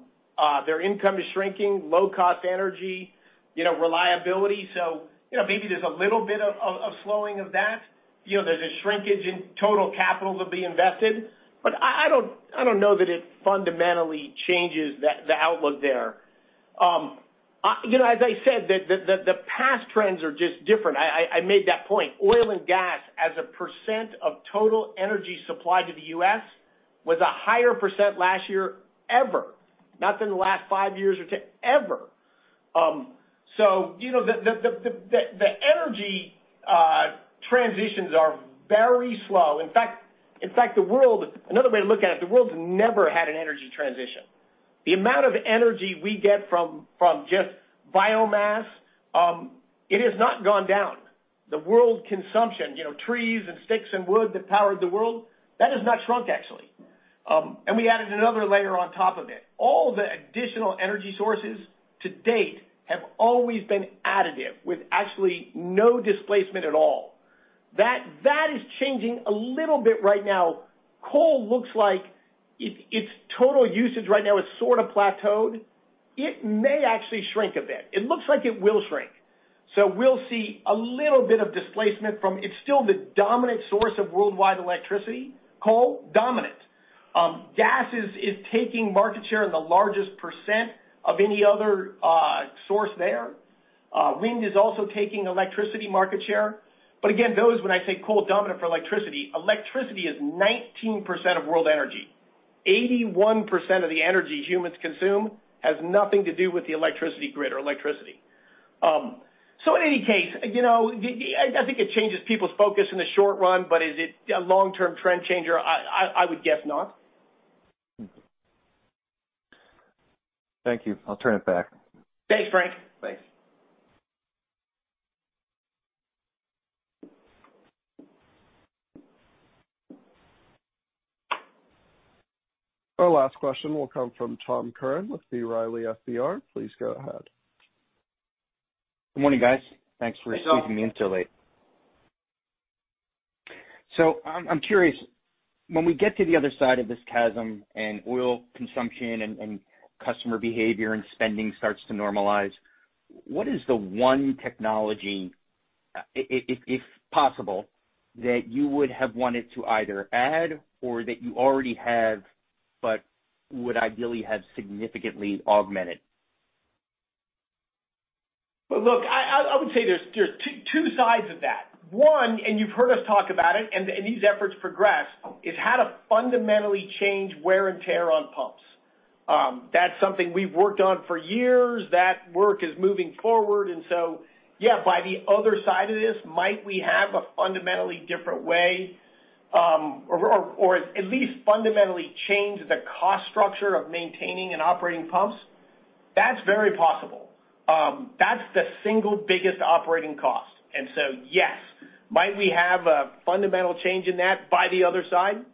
Their income is shrinking, low-cost energy, reliability. Maybe there's a little bit of slowing of that. There's a shrinkage in total capital to be invested. I don't know that it fundamentally changes the outlook there. As I said, the past trends are just different. I made that point. Oil and gas as a % of total energy supply to the U.S. was a higher % last year ever, not than the last five years or 10, ever. The energy transitions are very slow. In fact, another way to look at it, the world's never had an energy transition. The amount of energy we get from just biomass, it has not gone down. The world consumption, trees and sticks and wood that powered the world, that has not shrunk actually. We added another layer on top of it. All the additional energy sources to date have always been additive with actually no displacement at all. That is changing a little bit right now. Coal looks like its total usage right now has sort of plateaued. It may actually shrink a bit. It looks like it will shrink. We'll see a little bit of displacement from it's still the dominant source of worldwide electricity, coal, dominant. Gas is taking market share in the largest % of any other source there. Wind is also taking electricity market share. Again, those, when I say coal dominant for electricity is 19% of world energy. 81% of the energy humans consume has nothing to do with the electricity grid or electricity. In any case, I think it changes people's focus in the short run, but is it a long-term trend changer? I would guess not. Thank you. I'll turn it back. Thanks, Frank. Thanks. Our last question will come from Tom Curran with the Riley FBR. Please go ahead. Good morning, guys. Thanks for squeezing me in so late. Hey, Tom. I'm curious, when we get to the other side of this chasm and oil consumption and customer behavior and spending starts to normalize, what is the one technology, if possible, that you would have wanted to either add or that you already have but would ideally have significantly augmented? Look, I would say there's two sides of that. One, you've heard us talk about it, and these efforts progress, is how to fundamentally change wear and tear on pumps. That's something we've worked on for years. That work is moving forward. Yeah, by the other side of this, might we have a fundamentally different way, or at least fundamentally change the cost structure of maintaining and operating pumps? That's very possible. That's the single biggest operating cost. Yes. Might we have a fundamental change in that by the other side?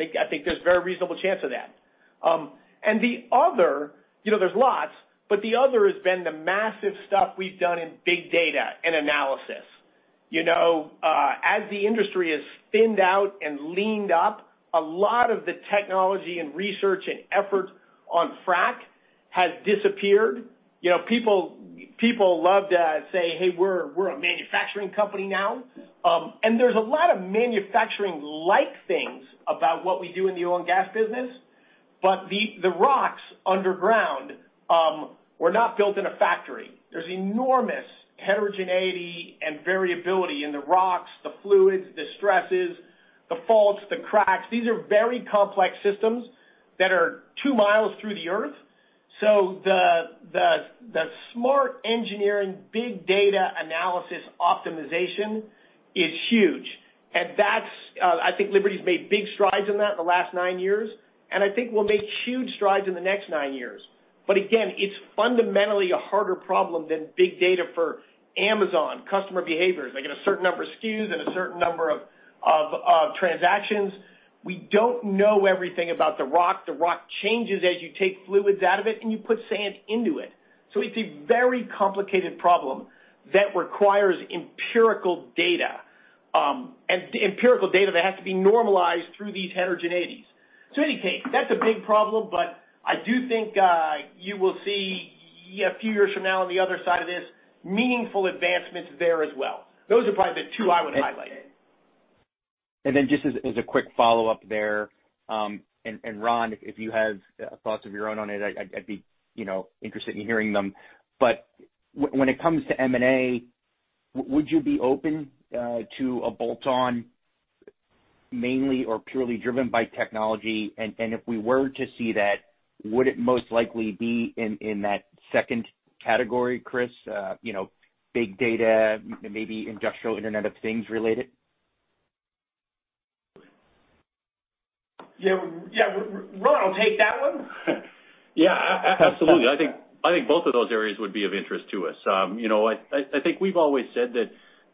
I think there's a very reasonable chance of that. The other, there's lots, but the other has been the massive stuff we've done in big data and analysis. As the industry has thinned out and leaned up, a lot of the technology in research and effort on frack has disappeared. People love to say, "Hey, we're a manufacturing company now." There's a lot of manufacturing-like things about what we do in the oil and gas business, but the rocks underground were not built in a factory. There's enormous heterogeneity and variability in the rocks, the fluids, the stresses, the faults, the cracks. These are very complex systems that are two miles through the Earth. The smart engineering, big data analysis optimization is huge. I think Liberty's made big strides in that in the last nine years, and I think we'll make huge strides in the next nine years. Again, it's fundamentally a harder problem than big data for Amazon customer behaviors. They get a certain number of SKUs and a certain number of transactions. We don't know everything about the rock. The rock changes as you take fluids out of it, and you put sand into it. It's a very complicated problem that requires empirical data, and empirical data that has to be normalized through these heterogeneities. Any case, that's a big problem, but I do think you will see, a few years from now on the other side of this, meaningful advancements there as well. Those are probably the two I would highlight. Just as a quick follow-up there, Ron, if you have thoughts of your own on it, I'd be interested in hearing them. When it comes to M&A, would you be open to a bolt-on mainly or purely driven by technology? If we were to see that, would it most likely be in that second category, Chris, big data, maybe industrial Internet of Things related? Yeah. Ron, I'll take that one. Yeah, absolutely. I think both of those areas would be of interest to us. I think we've always said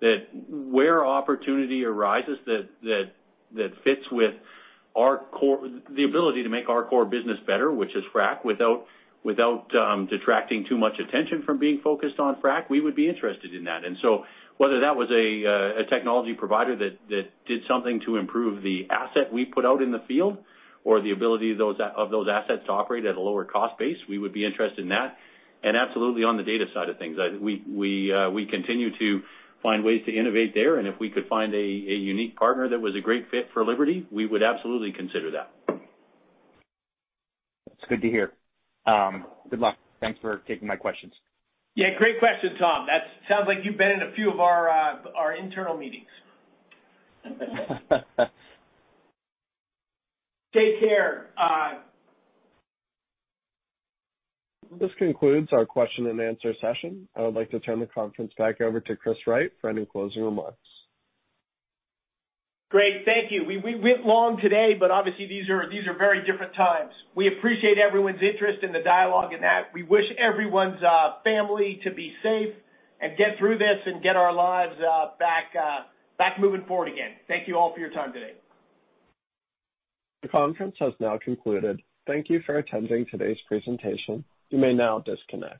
that where opportunity arises that fits with the ability to make our core business better, which is frack, without detracting too much attention from being focused on frack, we would be interested in that. Whether that was a technology provider that did something to improve the asset we put out in the field or the ability of those assets to operate at a lower cost base, we would be interested in that. Absolutely on the data side of things. We continue to find ways to innovate there, and if we could find a unique partner that was a great fit for Liberty, we would absolutely consider that. That's good to hear. Good luck. Thanks for taking my questions. Yeah, great question, Tom. That sounds like you've been in a few of our internal meetings. Take care. This concludes our question and answer session. I would like to turn the conference back over to Chris Wright for any closing remarks. Great. Thank you. We went long today. Obviously, these are very different times. We appreciate everyone's interest in the dialogue and that. We wish everyone's family to be safe and get through this and get our lives back moving forward again. Thank you all for your time today. The conference has now concluded. Thank you for attending today's presentation. You may now disconnect.